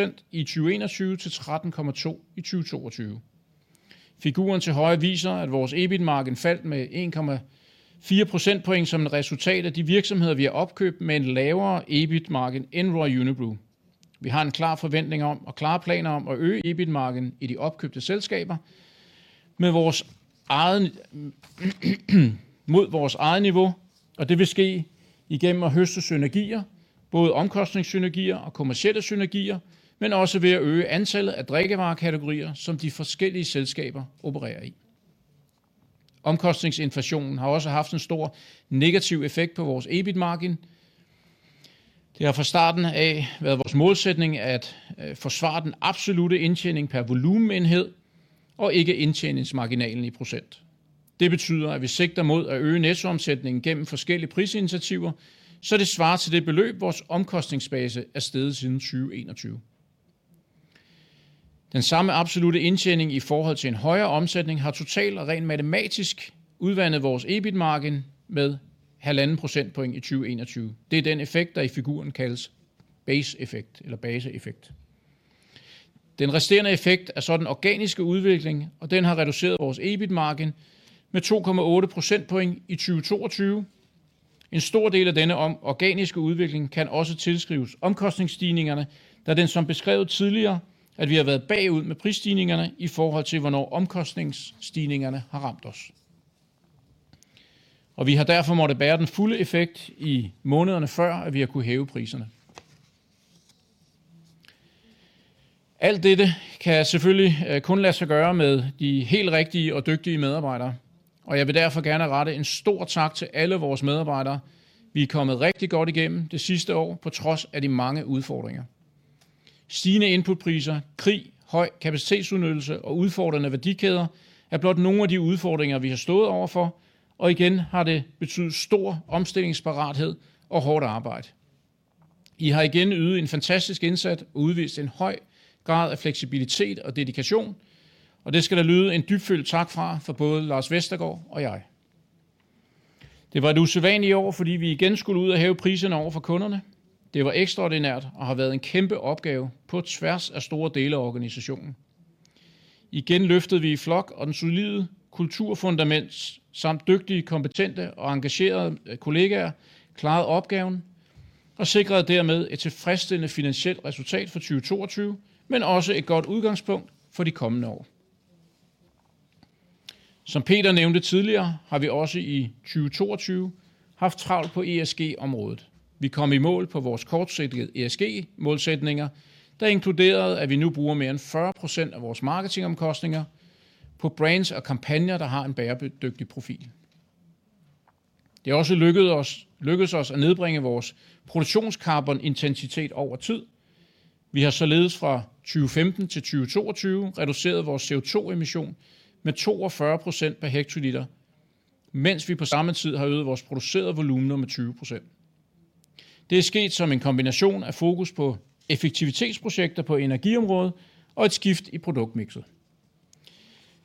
18.9% i 2021 til 13.2% i 2022. Figuren til højre viser, at vores EBIT margin faldt med 1.4 percentage points som et resultat af de virksomheder, vi har opkøbt med en lavere EBIT margin end Royal Unibrew. Vi har en klar forventning om og klare planer om at øge EBIT marginen i de opkøbte selskaber. Med vores egen mod vores eget niveau, og det vil ske igennem at høste synergier, både omkostningssynergier og kommercielle synergier, men også ved at øge antallet af drikkevarekategorier, som de forskellige selskaber opererer i. Omkostningsinflation har også haft en stor negativ effekt på vores EBIT margin. Det har fra starten af været vores målsætning at forsvare den absolutte indtjening pr. volumenenhed og ikke indtjeningsmarginalen in %. Det betyder, at vi sigter mod at øge nettoomsætningen gennem forskellige prisinitiativer, så det svarer til det beløb, vores omkostningsbase er steget siden 2021. Den samme absolutte indtjening i forhold til en højere omsætning har totalt og rent matematisk udvandet vores EBIT margin med 1.5 procentpoint i 2021. Det er den effekt, der i figuren kaldes base effekt eller base effekt. Den resterende effekt er så den organiske udvikling, og den har reduceret vores EBIT margin med 2.8 procentpoint i 2022. En stor del af denne organiske udvikling kan også tilskrives omkostningsstigningerne, da den som beskrevet tidligere, at vi har været bagud med prisstigningerne i forhold til hvornår omkostningsstigningerne har ramt os. Og vi har derfor måttet bære den fulde effekt i månederne før, at vi har kunnet hæve priserne. Alt dette kan selvfølgelig kun lade sig gøre med de helt rigtige og dygtige medarbejdere, og jeg vil derfor gerne rette en stor tak til alle vores medarbejdere. Vi er kommet rigtig godt igennem det sidste år på trods af de mange udfordringer. Stigende inputpriser, krig, høj kapacitetsudnyttelse og udfordrende værdikæder er blot nogle af de udfordringer, vi har stået over for, og igen har det betydet stor omstillingsparathed og hårdt arbejde. I har igen ydet en fantastisk indsats og udvist en høj grad af fleksibilitet og dedikation, og det skal der lyde en dybtfølt tak fra for både Lars Vestergaard og jeg. Det var et usædvanligt år, fordi vi igen skulle ud og hæve priserne over for kunderne. Det var ekstraordinært og har været en kæmpe opgave på tværs af store dele af organisationen. Igen løftede vi i flok og den solide kulturfundament samt dygtige, kompetente og engagerede kollegaer klarede opgaven og sikrede dermed et tilfredsstillende finansielt resultat for 2022, men også et godt udgangspunkt for de kommende år. Som Peter nævnte tidligere, har vi også i 2022 haft travlt på ESG området. Vi kom i mål på vores kortsigtede ESG målsætninger, der inkluderede, at vi nu bruger mere end 40% af vores marketingomkostninger på brands og kampagner, der har en bæredygtig profil. Det er også lykkedes os at nedbringe vores produktions carbon intensitet over tid. Vi har således fra 2015 til 2022 reduceret vores CO2 emission med 42% pr. hectoliter, mens vi på samme tid har øget vores producerede volumener med 20%. Det er sket som en kombination af fokus på effektivitetsprojekter på energiområdet og et skift i produktmikset.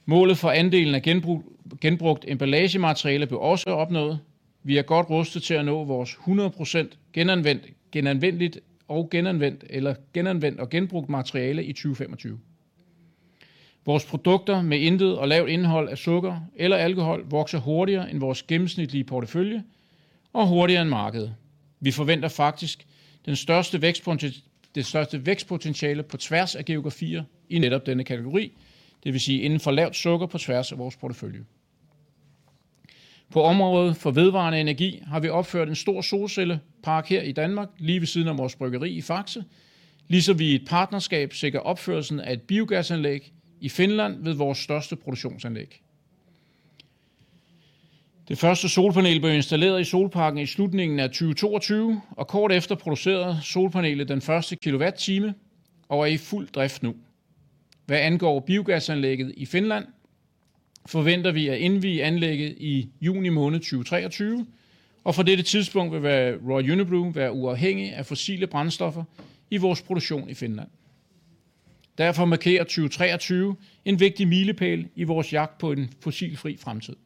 Målet for andelen af genbrugt emballagemateriale blev også opnået. Vi er godt rustet til at nå vores 100% genanvendt, genanvendeligt og genanvendt eller genanvendt og genbrugt materiale i 2025. Vores produkter med intet og lavt indhold af sukker eller alkohol vokser hurtigere end vores gennemsnitlige portefølje og hurtigere end markedet. Vi forventer faktisk den største vækst på det største vækstpotentiale på tværs af geografier i netop denne kategori, det vil sige inden for lavt sukker på tværs af vores portefølje. På området for vedvarende energi har vi opført en stor solcellepark her i Danmark lige ved siden af vores bryggeri i Fakse, ligesom vi i et partnerskab sikrer opførelsen af et biogasanlæg i Finland ved vores største produktionsanlæg. Det første solpanel blev installeret i solparken i slutningen af 2022, og kort efter producerede solpaneler den første kilowatt time og er i fuld drift nu. Hvad angår biogasanlægget i Finland, forventer vi at indvie anlægget i juni måned 2023, og fra dette tidspunkt vil Royal Unibrew være uafhængig af fossile brændstoffer i vores produktion i Finland. 2023 markerer en vigtig milepæl i vores jagt på en fossilfri fremtid.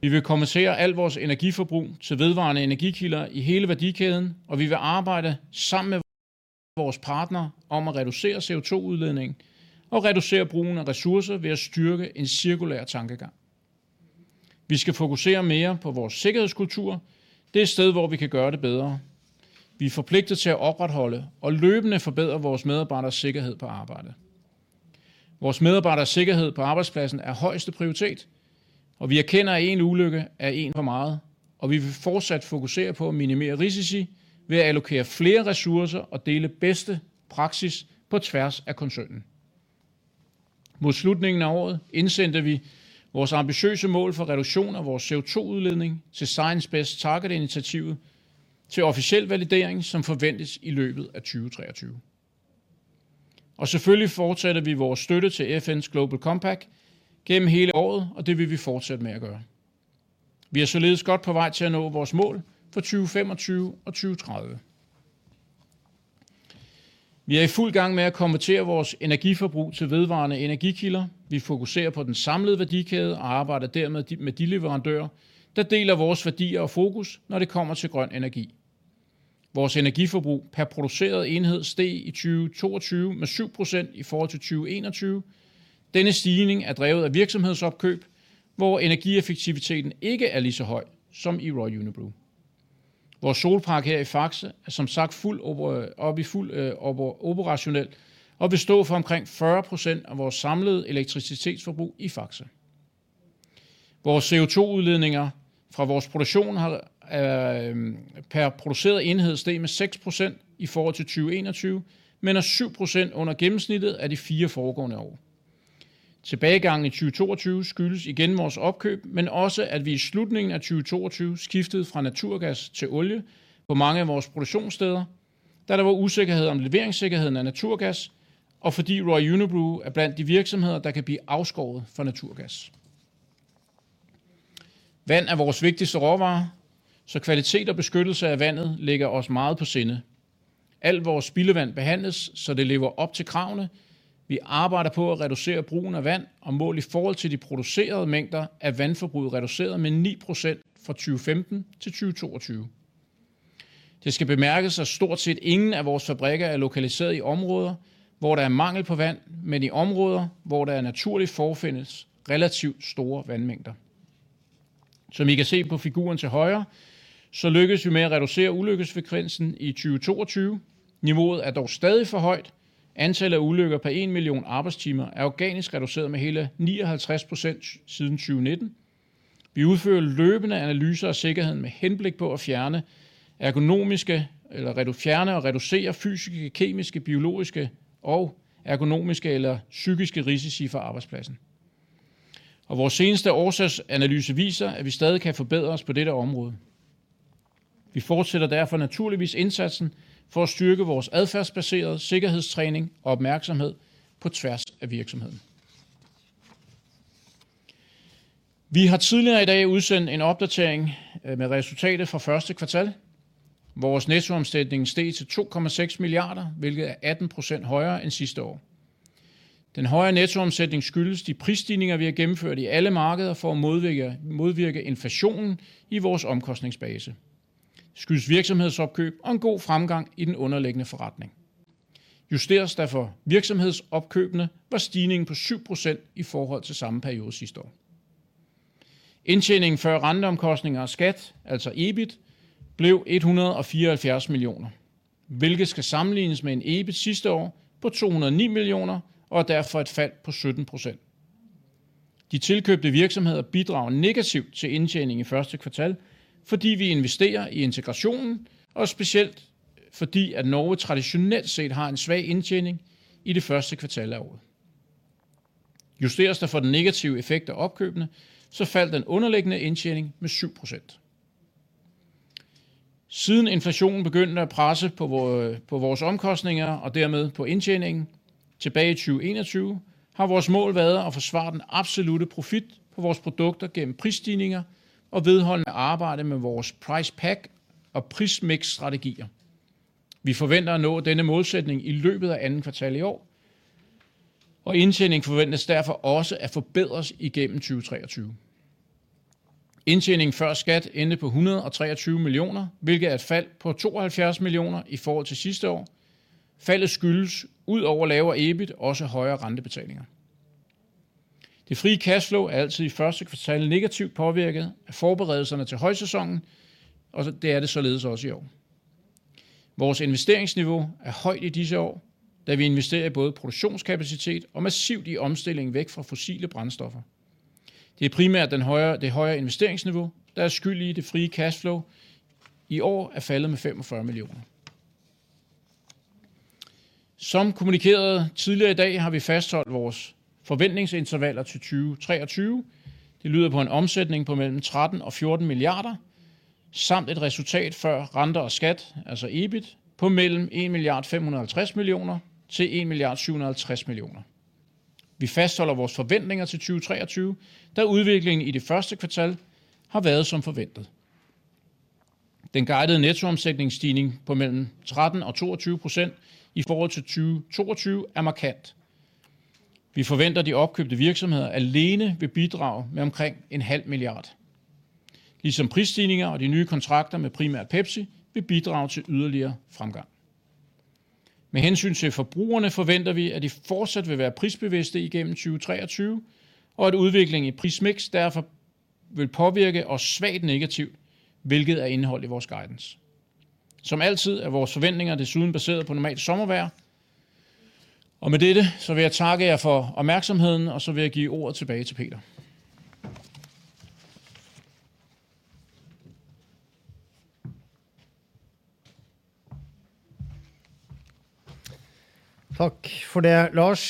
Vi vil konvertere al vores energiforbrug til vedvarende energikilder i hele værdikæden, og vi vil arbejde sammen med vores partnere om at reducere CO2 udledningen og reducere brugen af ressourcer ved at styrke en cirkulær tankegang. Vi skal fokusere mere på vores sikkerhedskultur. Det er et sted, hvor vi kan gøre det bedre. Vi er forpligtet til at opretholde og løbende forbedre vores medarbejderes sikkerhed på arbejdet. Vores medarbejderes sikkerhed på arbejdspladsen er højeste prioritet, og vi erkender, at en ulykke er en for meget, og vi vil fortsat fokusere på at minimere risici ved at allokere flere ressourcer og dele bedste praksis på tværs af koncernen. Mod slutningen af året indsendte vi vores ambitiøse mål for reduktion af vores CO2 udledning til Science Based Targets initiative til officiel validering, som forventes i løbet af 2023. Selvfølgelig fortsatte vi vores støtte til FN's Global Compact gennem hele året, og det vil vi fortsætte med at gøre. Vi er således godt på vej til at nå vores mål for 2025 og 2030. Vi er i fuld gang med at konvertere vores energiforbrug til vedvarende energikilder. Vi fokuserer på den samlede værdikæde og arbejder dermed med de leverandører, der deler vores værdier og fokus, når det kommer til grøn energi. Vores energiforbrug pr. Produceret enhed steg i 2022 med 7% i forhold til 2021. Denne stigning er drevet af virksomhedsopkøb, hvor energieffektiviteten ikke er lige så høj som i Royal Unibrew. Vores solpark her i Fakse er som sagt fuld operationel og vil stå for omkring 40% af vores samlede elektricitetsforbrug i Fakse. Vores CO2 udledninger fra vores produktion pr. Produceret enhed steg med 6% i forhold til 2021, men er 7% under gennemsnittet af de 4 foregående år. Tilbagegangen i 2022 skyldes igen vores opkøb, også at vi i slutningen af 2022 skiftede fra naturgas til olie på mange af vores produktionssteder, da der var usikkerhed om leveringssikkerheden af naturgas, og fordi Royal Unibrew er blandt de virksomheder, der kan blive afskåret for naturgas. Vand er vores vigtigste råvare, kvalitet og beskyttelse af vandet ligger os meget på sinde. Al vores spildevand behandles, det lever op til kravene. Vi arbejder på at reducere brugen af vand og mål i forhold til de producerede mængder af vandforbrug reduceret med 9% fra 2015 til 2022. Det skal bemærkes, at stort set ingen af vores fabrikker er lokaliseret i områder, hvor der er mangel på vand, i områder, hvor der er naturligt forefindes relativt store vandmængder. Som I kan se på figuren til højre, lykkedes vi med at reducere ulykkesfrekvensen i 2022. Niveauet er dog stadig for højt. Antallet af ulykker per 1 million arbejdstimer er organisk reduceret med hele 59% siden 2019. Vi udfører løbende analyser af sikkerheden med henblik på at fjerne ergonomiske eller fjerne og reducere fysiske, kemiske, biologiske og ergonomiske eller psykiske risici for arbejdspladsen. Vores seneste årsagsanalyse viser, at vi stadig kan forbedres på dette område. Vi fortsætter derfor naturligvis indsatsen for at styrke vores adfærdsbaserede sikkerhedstræning og opmærksomhed på tværs af virksomheden. Vi har tidligere i dag udsendt en opdatering med resultatet fra 1st quarter. Vores nettoomsætning steg til 2.6 billion, hvilket er 18% højere end sidste år. Den højere nettoomsætning skyldes de prisstigninger, vi har gennemført i alle markeder for at modvirke inflationen i vores omkostningsbase. Skyldes virksomhedsopkøb og en god fremgang i den underliggende forretning. Justeres der for virksomhedsopkøbene, var stigningen på 7% i forhold til samme periode sidste år. Indtjening før renteomkostninger og skat, altså EBIT, blev 174 million, hvilket skal sammenlignes med en EBIT sidste år på 209 million og er derfor et fald på 17%. De tilkøbte virksomheder bidrager negativt til indtjening i første kvartal, fordi vi investerer i integrationen, og specielt fordi at Norway traditionelt set har en svag indtjening i det første kvartal af året. Justeres der for den negative effekt af opkøbene, så faldt den underliggende indtjening med 7%. Siden inflationen begyndte at presse på på vores omkostninger og dermed på indtjeningen tilbage i 2021, har vores mål været at forsvare den absolutte profit på vores produkter gennem prisstigninger og vedholdende arbejde med vores price pack og prismix strategier. Vi forventer at nå denne målsætning i løbet af andet kvartal i år. Indtjening forventes derfor også at forbedres igennem 2023. Indtjeningen før skat endte på 123 million, hvilket er et fald på 72 million i forhold til sidste år. Faldet skyldes ud over lavere EBIT også højere rentebetalinger. Det frie cash flow er altid i første kvartal negativt påvirket af forberedelserne til højsæsonen. Det er det således også i år. Vores investeringsniveau er højt i disse år, da vi investerer i både produktionskapacitet og massivt i omstillingen væk fra fossile brændstoffer. Det er primært det højere investeringsniveau, der er skyld i, at det frie cash flow i år er faldet med 45 million. Som kommunikeret tidligere i dag har vi fastholdt vores forventningsintervaller til 2023. Det lyder på en omsætning på between 13 billion and 14 billion samt et resultat før renter og skat, altså EBIT, på 1.55 billion-1.75 billion. Vi fastholder vores forventninger til 2023, da udviklingen i det first quarter har været som forventet. Den guidede nettoomsætningsstigning på between 13% and 22% i forhold til 2022 er markant. Vi forventer, at de opkøbte virksomheder alene vil bidrage med omkring a half billion. Ligesom prisstigninger og de nye kontrakter med primært Pepsi vil bidrage til yderligere fremgang. Med hensyn til forbrugerne forventer vi, at de fortsat vil være prisbevidste igennem 2023, og at udviklingen i prismix derfor vil påvirke os svagt negativt, hvilket er indeholdt i vores guidance. Som altid er vores forventninger desuden baseret på normalt sommervejr. Med dette så vil jeg takke jer for opmærksomheden, og så vil jeg give ordet tilbage til Peter. Takk for det, Lars.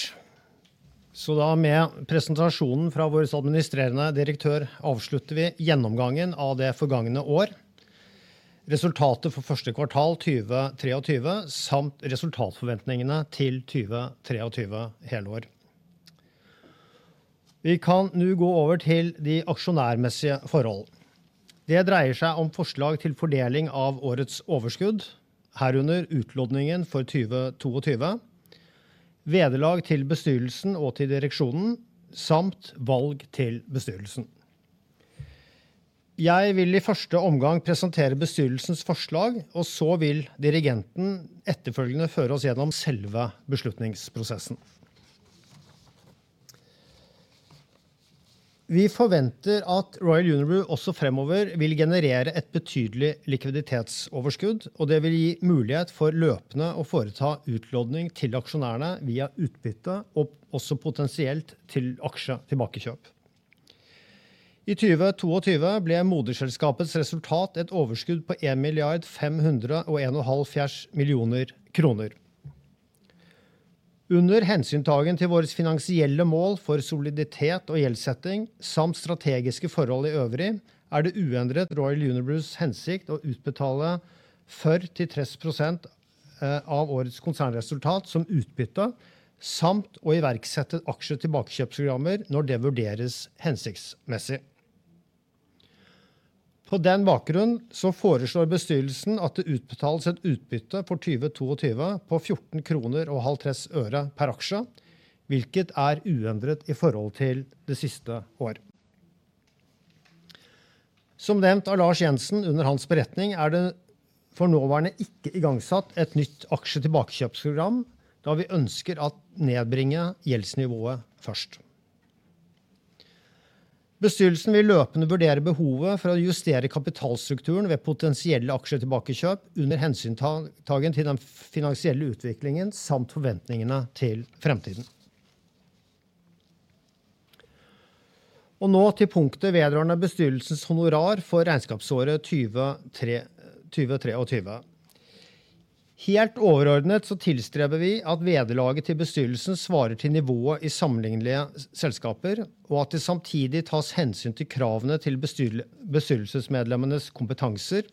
Da med presentasjonen fra vores administrerende direktør avslutter vi gjennomgangen av det forgjengne år. Resultatet for første kvartal 2023 samt resultatforventningene til 2023 helår. Vi kan nu gå over til de aksjonærmessige forhold. Det dreier seg om forslag til fordeling av årets overskudd, herunder utlodningen for 2022, vederlag til bestyrelsen og til direksjonen, samt valg til bestyrelsen. Jeg vil i første omgang presentere bestyrelsens forslag, så vil dirigenten etterfølgende føre oss gjennom selve beslutningsprosessen. Vi forventer at Royal Unibrew også fremover vil generere et betydelig likviditetsoverskudd, det vil gi mulighet for løpende å foreta utlodning til aksjonærene via utbytte og også potensielt til aksjetilbakekjøp. I 2022 ble moderselskapets resultat et overskudd på DKK 1,571 million. Under hensyntagen til våre finansielle mål for soliditet og gjeldsetting samt strategiske forhold i øvrig er det uendret Royal Unibrew's hensikt å utbetale 40%-60% av årets konsernresultat som utbytte, samt å iverksette aksjetilbakekjøpsprogrammer når det vurderes hensiktsmessig. På den bakgrunn foreslår bestyrelsen at det utbetales et utbytte for 2022 på 14.50 kroner per aksje, hvilket er uendret i forhold til det siste år. Som nevnt av Lars Jensen under hans beretning er det for nåværende ikke igangsatt et nytt aksjetilbakekjøpsprogram da vi ønsker å nedbringe gjeldsnivået først. Bestyrelsen vil løpende vurdere behovet for å justere kapitalstrukturen ved potensielle aksjetilbakekjøp under hensyntagen til den finansielle utviklingen samt forventningene til fremtiden. Nå til punktet vedrørende bestyrelsens honorar for regnskapsåret 2023. Helt overordnet så tilstreber vi at vederlaget til bestyrelsen svarer til nivået i sammenlignbare selskaper, og at det samtidig tas hensyn til kravene til bestyrelsesmedlemmenes kompetanser,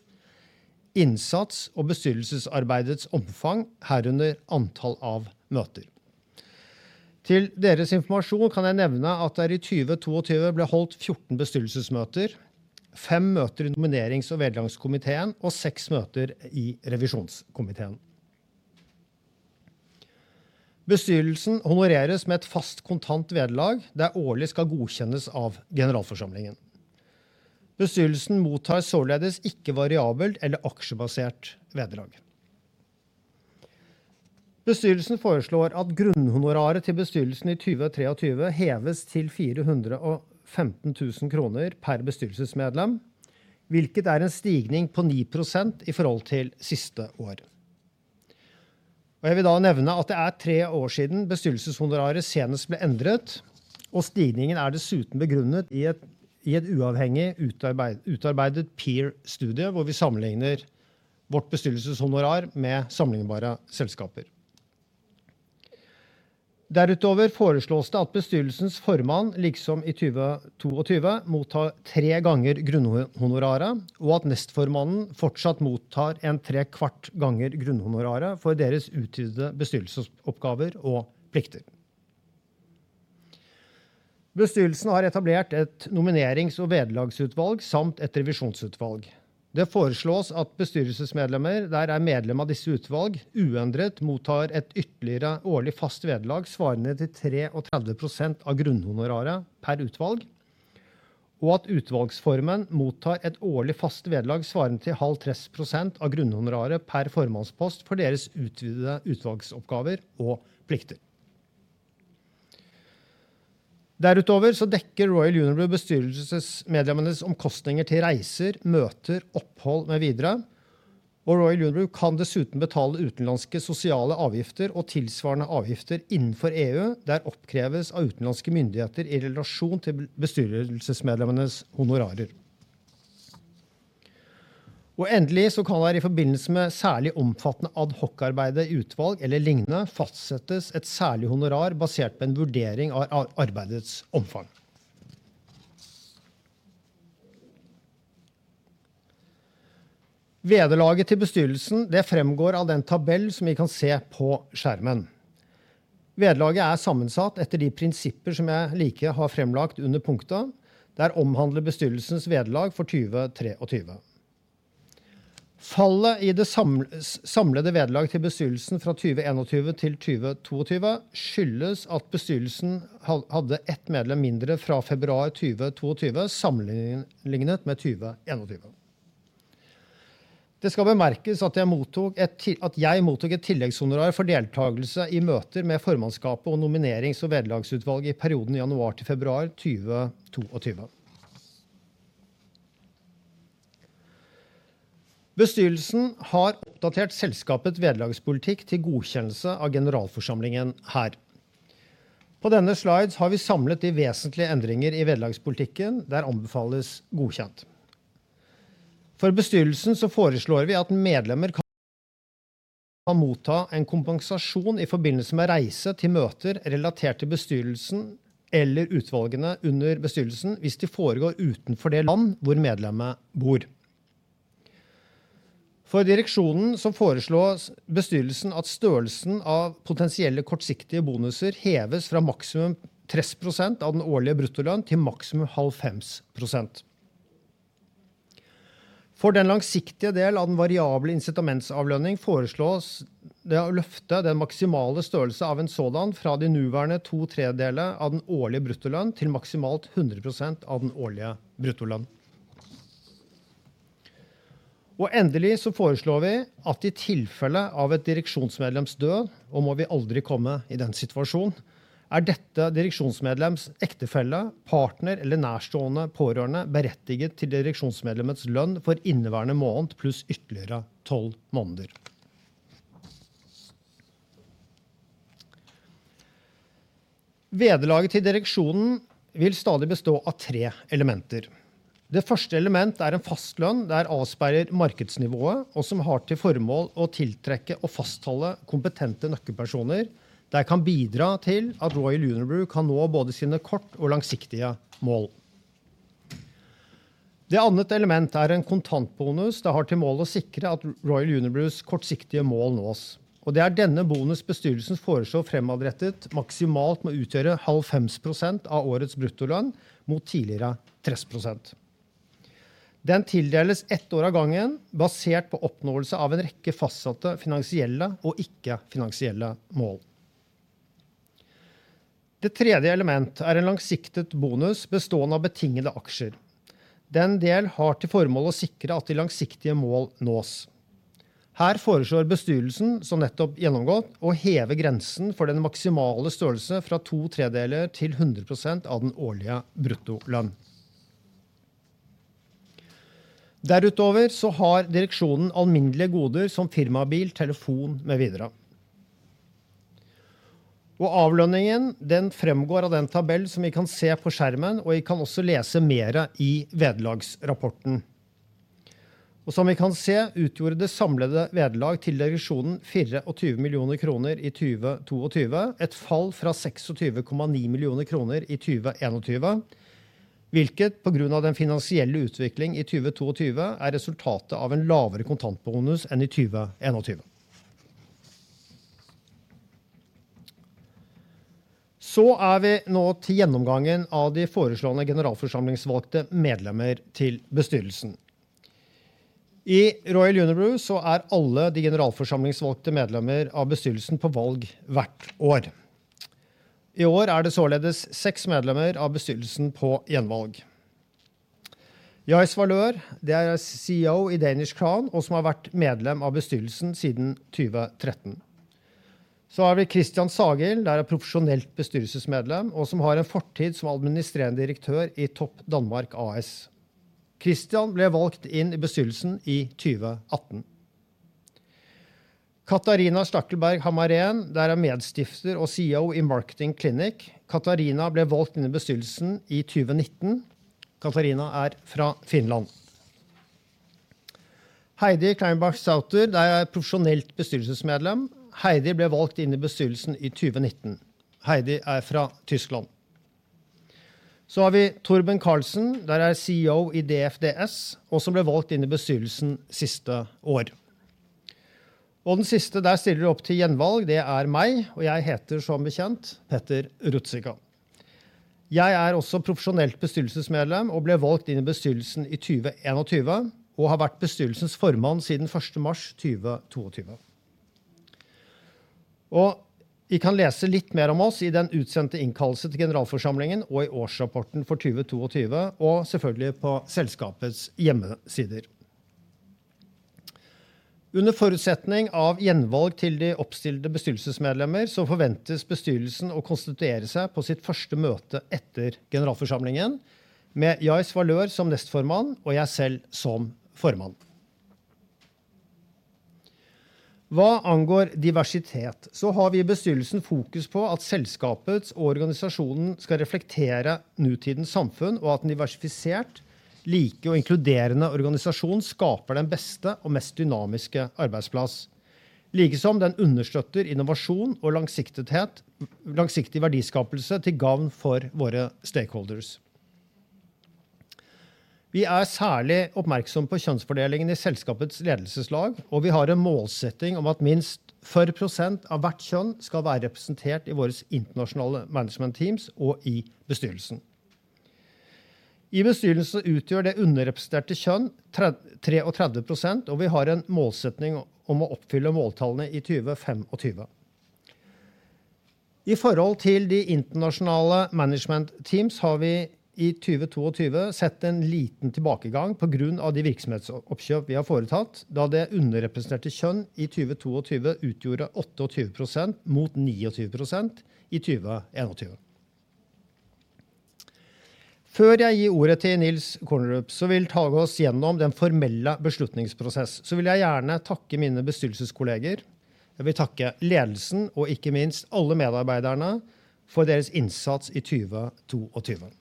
innsats og bestyrelsesarbeidets omfang, herunder antall av møter. Til deres informasjon kan jeg nevne at det i 2022 ble holdt 14 bestyrelsesmøter, 5 møter i nominerings- og vederlagskomiteen og 6 møter i revisjonskomiteen. Bestyrelsen honoreres med et fast kontant vederlag der årlig skal godkjennes av generalforsamlingen. Bestyrelsen mottar således ikke variabelt eller aksjebasert vederlag. Bestyrelsen foreslår at grunnhonoraret til bestyrelsen i 2023 heves til 415,000 kroner per bestyrelsesmedlem, hvilket er en stigning på 9% i forhold til siste år. Jeg vil da nevne at det er 3 år siden bestyrelseshonoraret senest ble endret, og stigningen er dessuten begrunnet i et uavhengig utarbeidet peer studie hvor vi sammenligner vårt bestyrelseshonorar med sammenlignbare selskaper. Derutover foreslås det at bestyrelsens formann, liksom i 2022, mottar tre ganger grunnhonoraret, og at nestformannen fortsatt mottar en tre kvart ganger grunnhonoraret for deres utvidede bestyrelsesoppgaver og plikter. Bestyrelsen har etablert et nominerings- og vederlagsutvalg samt et revisjonsutvalg. Det foreslås at bestyrelsesmedlemmer der er medlem av disse utvalg uendret mottar et ytterligere årlig fast vederlag svarende til tre og tretti prosent av grunnhonoraret per utvalg, og at utvalgsformen mottar et årlig fast vederlag svarende til halvtre prosent av grunnhonoraret per formannspost for deres utvidede utvalgsoppgaver og plikter. Derutover så dekker Royal Unibrew bestyrelsesmedlemmenes omkostninger til reiser, møter, opphold med videre. Og Royal Unibrew kan dessuten betale utenlandske sosiale avgifter og tilsvarende avgifter innenfor EU, der oppkreves av utenlandske myndigheter i relasjon til bestyrelsesmedlemmenes honorarer. Endelig så kan der i forbindelse med særlig omfattende ad hoc arbeid i utvalg eller lignende fastsettes et særlig honorar basert på en vurdering av arbeidets omfang. Vederlaget til bestyrelsen det fremgår av den tabell som vi kan se på skjermen. Vederlaget er sammensatt etter de prinsipper som jeg like har fremlagt under punktet der omhandler bestyrelsens vederlag for 2023. Fallet i det samlede vederlag til bestyrelsen fra 2021 til 2022 skyldes at bestyrelsen hadde ett medlem mindre fra februar 2022 sammenlignet med 2021. Det skal bemerkes at jeg mottok et tilleggshonorar for deltakelse i møter med formannskapet og nominerings- og vederlagsutvalget i perioden januar til februar 2022. Bestyrelsen har oppdatert selskapets vederlagspolitikk til godkjennelse av generalforsamlingen her. På denne slide har vi samlet de vesentlige endringer i vederlagspolitikken der anbefales godkjent. For bestyrelsen foreslår vi at medlemmer kan motta en kompensasjon i forbindelse med reise til møter relatert til bestyrelsen eller utvalgene under bestyrelsen, hvis de foregår utenfor det land hvor medlemmet bor. For direksjonen foreslås bestyrelsen at størrelsen av potensielle kortsiktige bonuser heves fra maksimum 3% av den årlige bruttolønn til maksimum 5.5%. For den langsiktige del av den variable incitamentsavlønning foreslås det å løfte den maksimale størrelse av en sådan fra de nåværende 2/3 av den årlige bruttolønn til maksimalt 100% av den årlige bruttolønn. Endelig foreslår vi at i tilfelle av et direksjonsmedlems død, og må vi aldri komme i den situasjon, er dette direksjonsmedlems ektefelle, partner eller nærstående pårørende berettiget til direksjonsmedlemmets lønn for inneværende måned, pluss ytterligere 12 måneder. Vederlaget til direksjonen vil stadig bestå av 3 elementer. Det første element er en fast lønn der avspeiler markedsnivået, og som har til formål å tiltrekke og fastholde kompetente nøkkelpersoner der kan bidra til at Royal Unibrew kan nå både sine kort og langsiktige mål. Det annet element er en kontantbonus. Det har til mål å sikre at Royal Unibrews kortsiktige mål nås, og det er denne bonus bestyrelsen foreslår fremadrettet maksimalt må utgjøre 50% av årets bruttolønn, mot tidligere 3%. Den tildeles 1 år av gangen basert på oppnåelse av en rekke fastsatte finansielle og ikke-finansielle mål. Det tredje element er en langsiktet bonus bestående av betingede aksjer. Den del har til formål å sikre at de langsiktige mål nås. Her foreslår bestyrelsen som nettopp gjennomgått å heve grensen for den maksimale størrelse fra to tredeler til 100% av den årlige bruttolønn. Derutover så har direksjonen alminnelige goder som firmabil, telefon med videre. Avlønningen den fremgår av den tabell som vi kan se på skjermen, og vi kan også lese mere i vederlagsrapporten. Som vi kan se utgjorde det samlede vederlag til divisjonen DKK 24 million i 2022, et fall fra 26.9 million kroner i 2021, hvilket på grunn av den finansielle utvikling i 2022 er resultatet av en lavere kontantbonus enn i 2021. Er vi nå til gjennomgangen av de foreslåtte generalforsamlingsvalgte medlemmer til bestyrelsen. I Royal Unibrew så er alle de generalforsamlingsvalgte medlemmer av bestyrelsen på valg hvert år. I år er det således six medlemmer av bestyrelsen på gjenvalg. Jais Valeur. Det er CEO i Danish Crown, og som har vært medlem av bestyrelsen siden 2013. Er vi Christian Sagild. Der er profesjonelt bestyrelsesmedlem og som har en fortid som administrerende direktør i Topdanmark A/S. Christian ble valgt inn i bestyrelsen i 2018. Catharina Stackelberg-Hammarén. Der er medstifter og CEO i Marketing Clinic. Catharina ble valgt inn i bestyrelsen i 2019. Catharina er fra Finland. Heidi Kleinbach-Sauter. Det er et profesjonelt bestyrelsesmedlem. Heidi ble valgt inn i bestyrelsen i 2019. Heidi er fra Tyskland. Har vi Torben Carlsen. Der er CEO i DFDS og som ble valgt inn i bestyrelsen siste år. Den siste der stiller opp til gjenvalg. Det er meg, og jeg heter som bekjent Peter Ruzicka. Jeg er også profesjonelt bestyrelsesmedlem og ble valgt inn i bestyrelsen i 2021 og har vært bestyrelsens formann siden 1. mars 2022. Vi kan lese litt mer om oss i den utsendte innkallelse til generalforsamlingen og i årsrapporten for 2022, og selvfølgelig på selskapets hjemmesider. Under forutsetning av gjenvalg til de oppstilte bestyrelsesmedlemmer, forventes bestyrelsen å konstituere seg på sitt første møte etter generalforsamlingen med Jais Valeur som Deputy Chairman og jeg selv som Chairman. Hva angår diversitet har vi i bestyrelsen fokus på at selskapets og organisasjonen skal reflektere nutidens samfunn, og at en diversifisert, lik og inkluderende organisasjon skaper den beste og mest dynamiske arbeidsplass. Likesom den understøtter innovasjon og langsiktighet, langsiktig verdiskapelse til gagn for våre stakeholders. Vi er særlig oppmerksom på kjønnsfordelingen i selskapets ledelseslag, vi har en målsetting om at minst 40% av hvert kjønn skal være representert i våres internasjonale management teams og i bestyrelsen. I bestyrelsen utgjør det underrepresenterte kjønn 33%, vi har en målsetting om å oppfylle måltallene i 2025. I forhold til de internasjonale management teams har vi i 2022 sett en liten tilbakegang på grunn av de virksomhetsoppkjøp vi har foretatt, da det underrepresenterte kjønn i 2022 utgjorde 28% mot 29% i 2021. Før jeg gir ordet til Niels Kornerup, så vil ta oss gjennom den formelle beslutningsprosess, så vil jeg gjerne takke mine bestyrelseskolleger. Jeg vil takke ledelsen og ikke minst alle medarbeiderne for deres innsats i 2022.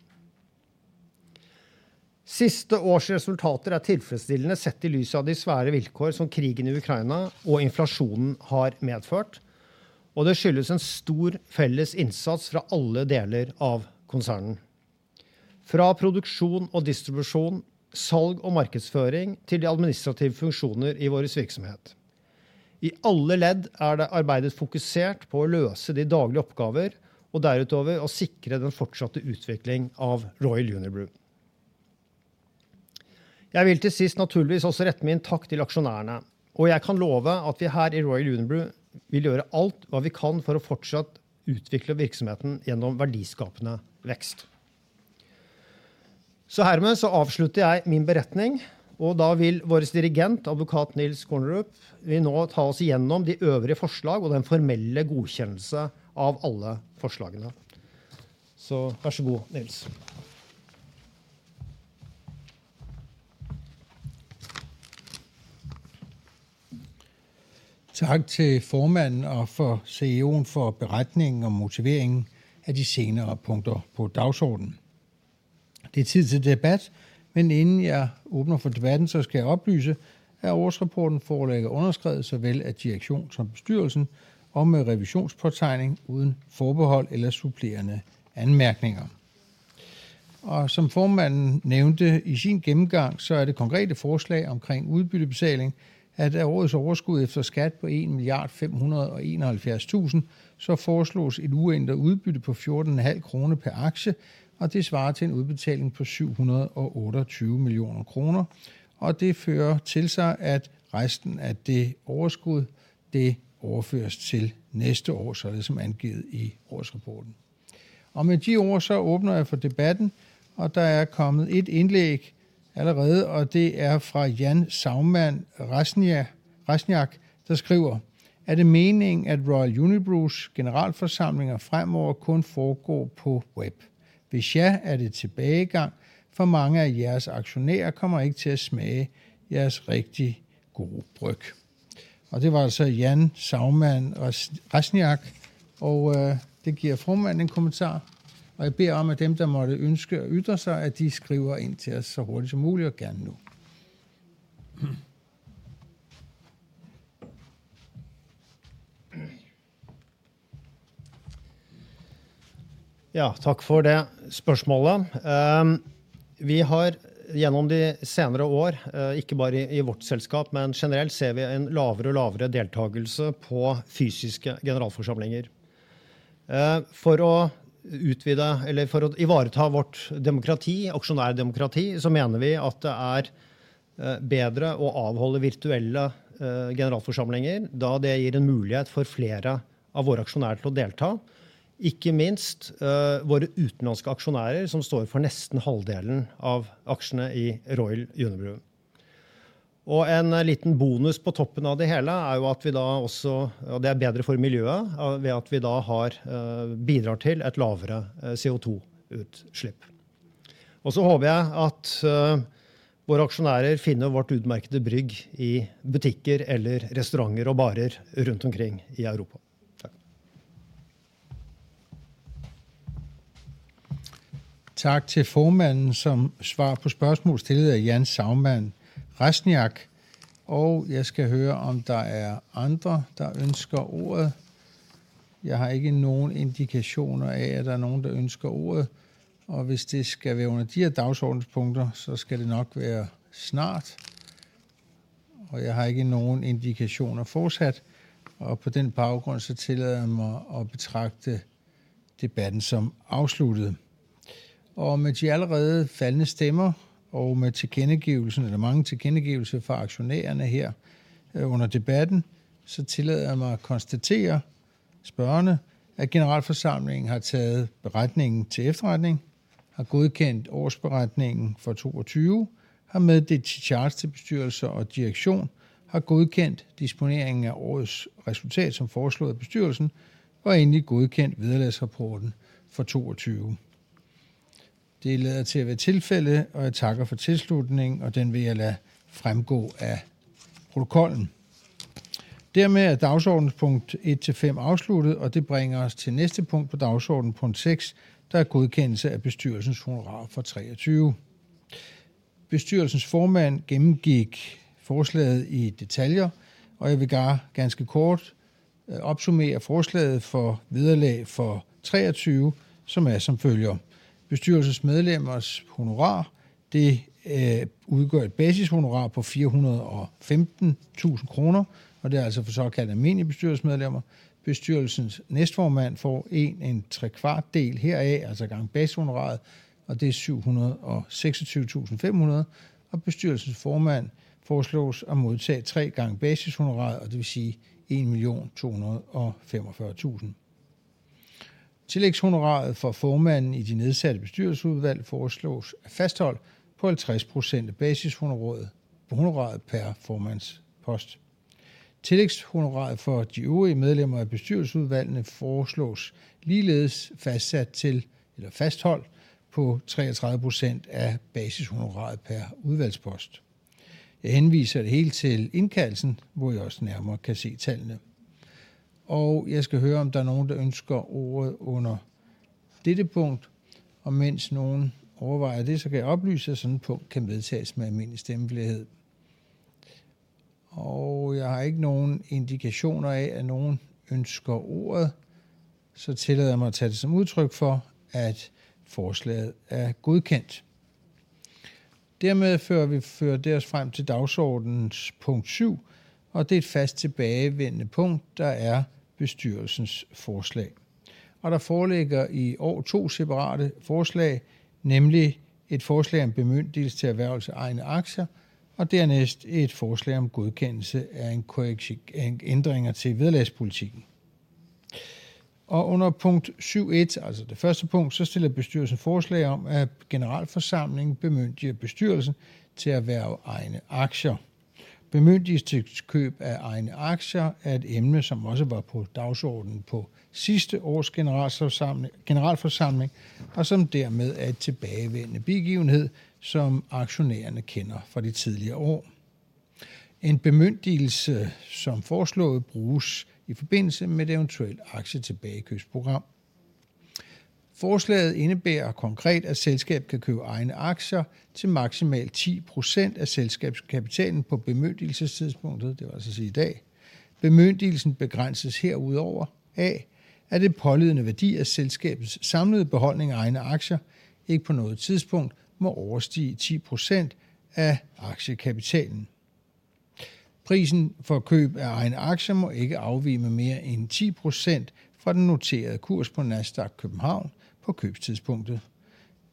Siste års resultater er tilfredsstillende sett i lys av de svære vilkår som krigen i Ukraina og inflasjonen har medført. Det skyldes en stor felles innsats fra alle deler av konsernene, fra produksjon og distribusjon, salg og markedsføring til de administrative funksjoner i vores virksomhet. I alle ledd er det arbeidet fokusert på å løse de daglige oppgaver og derutover å sikre den fortsatte utvikling av Royal Unibrew. Jeg vil til sist naturligvis også rette min takk til aksjonærene, og jeg kan love at vi her i Royal Unibrew vil gjøre alt hva vi kan for å fortsatt utvikle virksomheten gjennom verdiskapende vekst. Hermed så avslutter jeg min beretning, og da vil vores dirigent, Advokat Niels Kornerup, nå ta oss gjennom de øvrige forslag og den formelle godkjennelse av alle forslagene. Vær så god, Niels. Tak til formanden og for CEO'en for beretningen og motiveringen af de senere punkter på dagsordenen. Det er tid til debat, men inden jeg åbner for debatten, så skal jeg oplyse, at årsrapporten foreligger underskrevet såvel af direktion som bestyrelsen og med revisionspåtegning uden forbehold eller supplerende anmærkninger. Som formanden nævnte i sin gennemgang, så er det konkrete forslag omkring udbyttebetaling, at af årets overskud efter skat på 1,000,571,000, så foreslås et uændret udbytte på fjorten og en halv DKK per aktie, og det svarer til en udbetaling på 728 million kroner. Det fører til sig, at resten af det overskud, det overføres til næste år, således som angivet i årsrapporten. Med de ord åbner jeg for debatten, og der er kommet et indlæg allerede, og det er fra Jan Saugmann Reseniak, der skriver: Er det meningen, at Royal Unibrew's generalforsamlinger fremover kun foregår på web? Hvis ja, er det tilbagegang for mange af jeres aktionærer kommer ikke til at smage jeres rigtig gode bryg. Det var altså Jan Saugmann Reseniak, og det giver Chairman en kommentar, og jeg beder om, at dem, der måtte ønske at ytre sig, at de skriver ind til os så hurtigt som muligt og gerne nu. Tak for det spørgsmålet. Vi har gennem de senere år ikke bare i vort selskab, men generelt ser vi en lavere og lavere deltagelse på fysiske generalforsamlinger. For at udvide eller for at ivaretage vort demokrati, aktionær demokrati, så mener vi, at det er bedre at afholde virtuelle generalforsamlinger, da det giver en mulighed for flere af vore aktionærer til at deltage. Ikke mindst vore udenlandske aktionærer, som står for næsten halvdelen af aktierne i Royal Unibrew. En lille bonus på toppen af det hele er jo, at vi da også, og det er bedre for miljøet ved at vi da har bidrager til et lavere CO2 udslip. Så håber jeg, at vore aktionærer finder vort udmærkede bryg i butikker eller restauranter og barer rundt omkring i Europa. Tak til formanden som svar på spørgsmål stillet af Jan Saugmann Reseniak, jeg skal høre, om der er andre, der ønsker ordet. Jeg har ikke nogen indikationer af, at der er nogen, der ønsker ordet, og hvis det skal være under de her dagsordenspunkter, så skal det nok være snart. Jeg har ikke nogen indikationer fortsat, og på den baggrund så tillader jeg mig at betragte debatten som afsluttet. Med de allerede faldne stemmer og med tilkendegivelsen eller mange tilkendegivelser fra aktionærerne her under debatten, så tillader jeg mig at konstatere spørgende, at generalforsamlingen har taget beretningen til efterretning, har godkendt årsberetningen for 2022, har meddelt charge til bestyrelse og direktion, har godkendt disponeringen af årets resultat som foreslået af bestyrelsen og endelig godkendt vederlagsrapporten for 2022. Det lader til at være tilfældet, og jeg takker for tilslutningen, og den vil jeg lade fremgå af protokollen. Dermed er dagsordenspunkt 1 til 5 afsluttet, og det bringer os til næste punkt på dagsordenen, punkt 6, der er godkendelse af bestyrelsens honorar for 2023. Bestyrelsens formand gennemgik forslaget i detaljer, og jeg vil ganske kort opsummere forslaget for vederlag for 2023, som er som følger. Bestyrelsesmedlemmers honorar. Det udgør et bashonorar på 415,000 kroner, og det er altså for såkaldt almindelige bestyrelsesmedlemmer. Bestyrelsens næstformand får en trekvart del heraf, altså gange bashonoraret, og det er 726,500. Og bestyrelsens formand foreslås at modtage 3 gange bashonoraret, og det vil sige DKK 1,245,000. Tillægshonoraret for formanden i de nedsatte bestyrelsesudvalg foreslås fastholdt på 50% af bashonoraret pr. formandspost. Tillægshonoraret for de øvrige medlemmer af bestyrelsesudvalgene foreslås ligeledes fastsat til eller fastholdt på 33% af bashonoraret pr. udvalgspost. Jeg henviser det hele til indkaldelsen, hvor I også nærmere kan se tallene. Jeg skal høre, om der er nogen, der ønsker ordet under dette punkt. Mens nogen overvejer det, så kan jeg oplyse, at sådan et punkt kan vedtages med almindelig stemmeflerhed. Jeg har ikke nogen indikationer af, at nogen ønsker ordet. Tillader jeg mig at tage det som udtryk for, at forslaget er godkendt. Dermed fører vi frem til dagsordenens punkt 7, det er et fast tilbagevendende punkt, der er bestyrelsens forslag. Der foreligger i år 2 separate forslag, nemlig et forslag om bemyndigelse til erhvervelse af egne aktier og dernæst et forslag om godkendelse af en ændringer til vederlagspolitikken. Under punkt 7 1, altså det første punkt, så stiller bestyrelsen forslag om, at generalforsamlingen bemyndiger bestyrelsen til at erhverve egne aktier. Bemyndigelse til køb af egne aktier er et emne, som også var på dagsordenen på sidste års generalforsamling, og som dermed er en tilbagevendende begivenhed, som aktionærerne kender fra de tidligere år. En bemyndigelse som foreslået bruges i forbindelse med et eventuelt aktietilbagekøbsprogram. Forslaget indebærer konkret, at selskabet kan købe egne aktier til maksimalt 10% af selskabskapitalen på bemyndigelsestidspunktet. Det vil altså sige i dag. Bemyndigelsen begrænses herudover af, at den pålydende værdi af selskabets samlede beholdning af egne aktier ikke på noget tidspunkt må overstige 10% af aktiekapitalen. Prisen for køb af egne aktier må ikke afvige med mere end 10% fra den noterede kurs på Nasdaq København på købstidspunktet.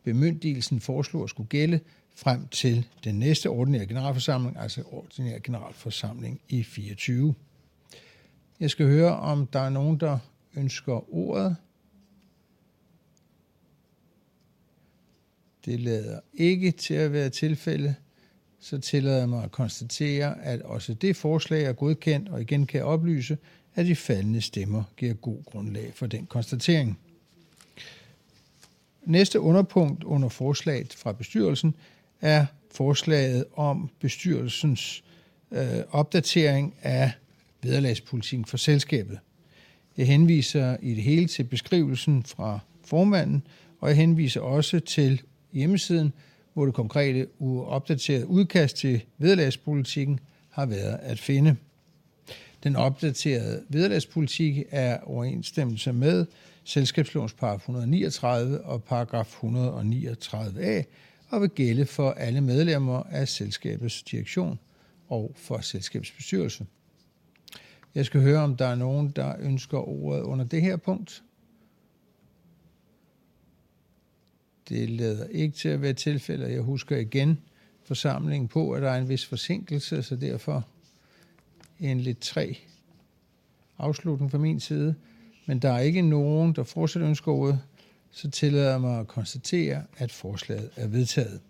Bemyndigelsen foreslås at skulle gælde frem til den næste ordinære generalforsamling, altså ordinær generalforsamling i 2024. Jeg skal høre, om der er nogen, der ønsker ordet. Det lader ikke til at være tilfældet. Tillader jeg mig at konstatere, at også det forslag er godkendt, og igen kan jeg oplyse, at de faldne stemmer giver god grundlag for den konstatering. Næste underpunkt under forslaget fra bestyrelsen er forslaget om bestyrelsens opdatering af vederlagspolitikken for selskabet. Jeg henviser i det hele til beskrivelsen fra formanden, og jeg henviser også til hjemmesiden, hvor det konkrete opdaterede udkast til vederlagspolitikken har været at finde. Den opdaterede vederlagspolitik er i overensstemmelse med selskabslovens paragraf 139 og paragraf 139a og vil gælde for alle medlemmer af selskabets direktion og for selskabets bestyrelse. Jeg skal høre, om der er nogen, der ønsker ordet under det her punkt. Det lader ikke til at være tilfældet. Jeg husker igen forsamlingen på, at der er en vis forsinkelse, så derfor en lidt træg afslutning fra min side. Der er ikke nogen, der fortsat ønsker ordet. Tillader jeg mig at konstatere, at forslaget er vedtaget.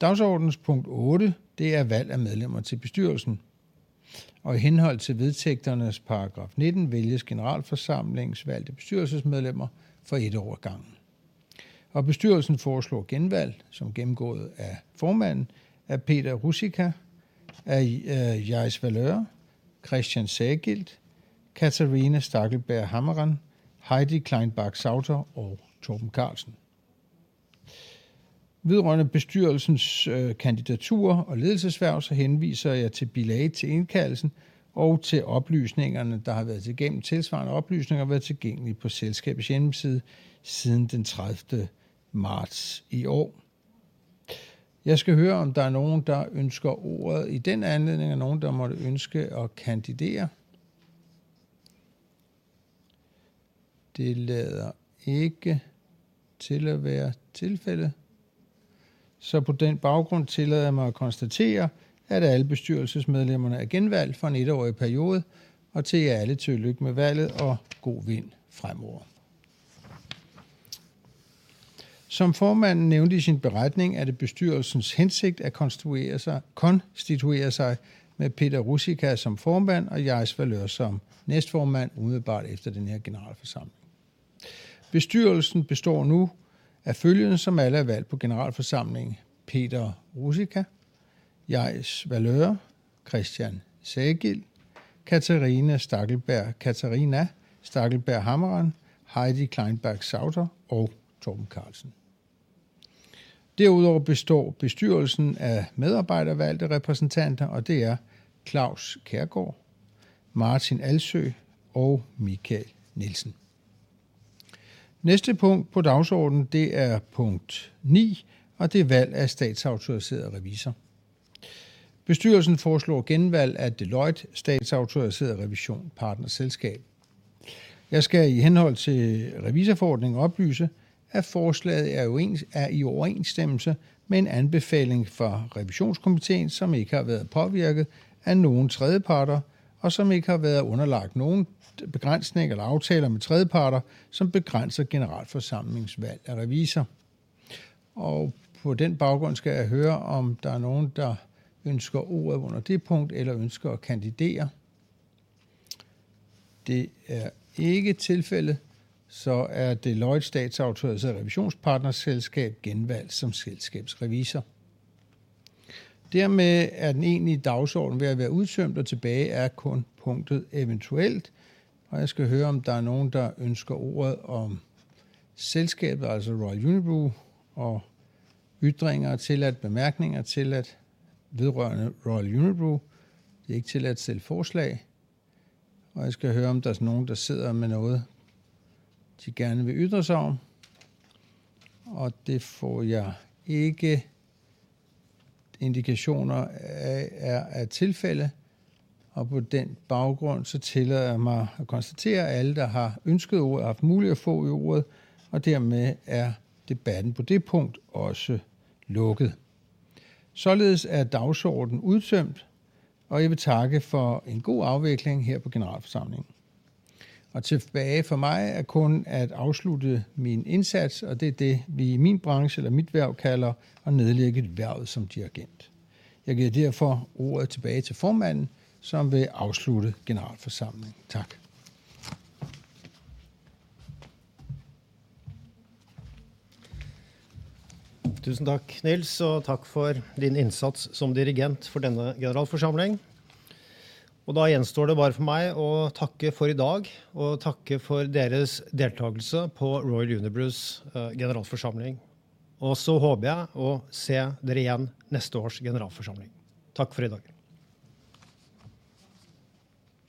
Dagsordenens punkt 8, det er valg af medlemmer til bestyrelsen i henhold til vedtægternes paragraf 19 vælges generalforsamlingens valgte bestyrelsesmedlemmer for 1 år ad gangen. Bestyrelsen foreslår genvalg som gennemgået af Chairman af Peter Ruzicka, af Jais Valeur, Christian Sagild, Catharina Stackelberg-Hammarén, Heidi Kleinbach-Sauter og Torben Carlsen. Vedrørende bestyrelsens kandidatur og ledelseshverv henviser jeg til bilaget til indkaldelsen og til oplysningerne, der har været til gennem tilsvarende oplysninger og været tilgængelig på selskabets hjemmeside siden den 30. March i år. Jeg skal høre, om der er nogen, der ønsker ordet i den anledning, er der nogen, der måtte ønske at kandidere. Det lader ikke til at være tilfældet. På den baggrund tillader jeg mig at konstatere, at alle bestyrelsesmedlemmerne er genvalgt for en etårig periode og til jer alle tillykke med valget og god vind fremover. Som formanden nævnte i sin beretning, er det bestyrelsens hensigt at konstituere sig med Peter Ruzicka som formand og Jais Valeur som næstformand umiddelbart efter den her generalforsamling. Bestyrelsen består nu af følgende, som alle er valgt på generalforsamlingen: Peter Ruzicka, Jais Valeur, Christian Sagild, Catharina Stackelberg-Hammarén, Heidi Kleinbach-Sauter og Torben Carlsen. Bestyrelsen består af medarbejdervalgte repræsentanter, og det er Claus Kærgaard, Martin Alsøe og Michael Nielsen. Næste punkt på dagsordenen er punkt 9, og det er valg af statsautoriseret revisor. Bestyrelsen foreslår genvalg af Deloitte Statsautoriseret Revisionspartnerselskab. Jeg skal i henhold til revisorforordningen oplyse, at forslaget er i overensstemmelse med en anbefaling fra Revisionskomiteen, som ikke har været påvirket af nogen tredjeparter, og som ikke har været underlagt nogen begrænsning eller aftaler med tredjeparter, som begrænser generalforsamlingens valg af revisor. På den baggrund skal jeg høre, om der er nogen, der ønsker ordet under det punkt eller ønsker at kandidere. Det er ikke tilfældet. Deloitte Statsautoriseret Revisionspartnerselskab genvalgt som selskabs revisor. Dermed er den egentlige dagsorden ved at være udtømt, og tilbage er kun punktet eventuelt. Jeg skal høre, om der er nogen, der ønsker ordet om selskabet, altså Royal Unibrew, og ytringer er tilladt, bemærkninger er tilladt vedrørende Royal Unibrew. Det er ikke tilladt at stille forslag, og jeg skal høre, om der er nogen, der sidder med noget, de gerne vil ytre sig om, og det får jeg ikke indikationer af er tilfældet. På den baggrund så tillader jeg mig at konstatere, at alle, der har ønsket ordet, har haft mulighed for at få ordet, og dermed er debatten på det punkt også lukket. Således er dagsordenen udtømt, og jeg vil takke for en god afvikling her på generalforsamlingen. Tilbage for mig er kun at afslutte min indsats, og det er det, vi i min branche eller mit hverv kalder at nedlægge hvervet som dirigent. Jeg giver derfor ordet tilbage til Formanden, som vil afslutte generalforsamlingen. Tak. Tusen takk, Nils, takk for din innsats som dirigent for denne generalforsamling. Da gjenstår det bare for meg å takke for i dag og takke for deres deltakelse på Royal Unibrews generalforsamling. Så håper jeg å se dere igjen neste års generalforsamling. Takk for i dag.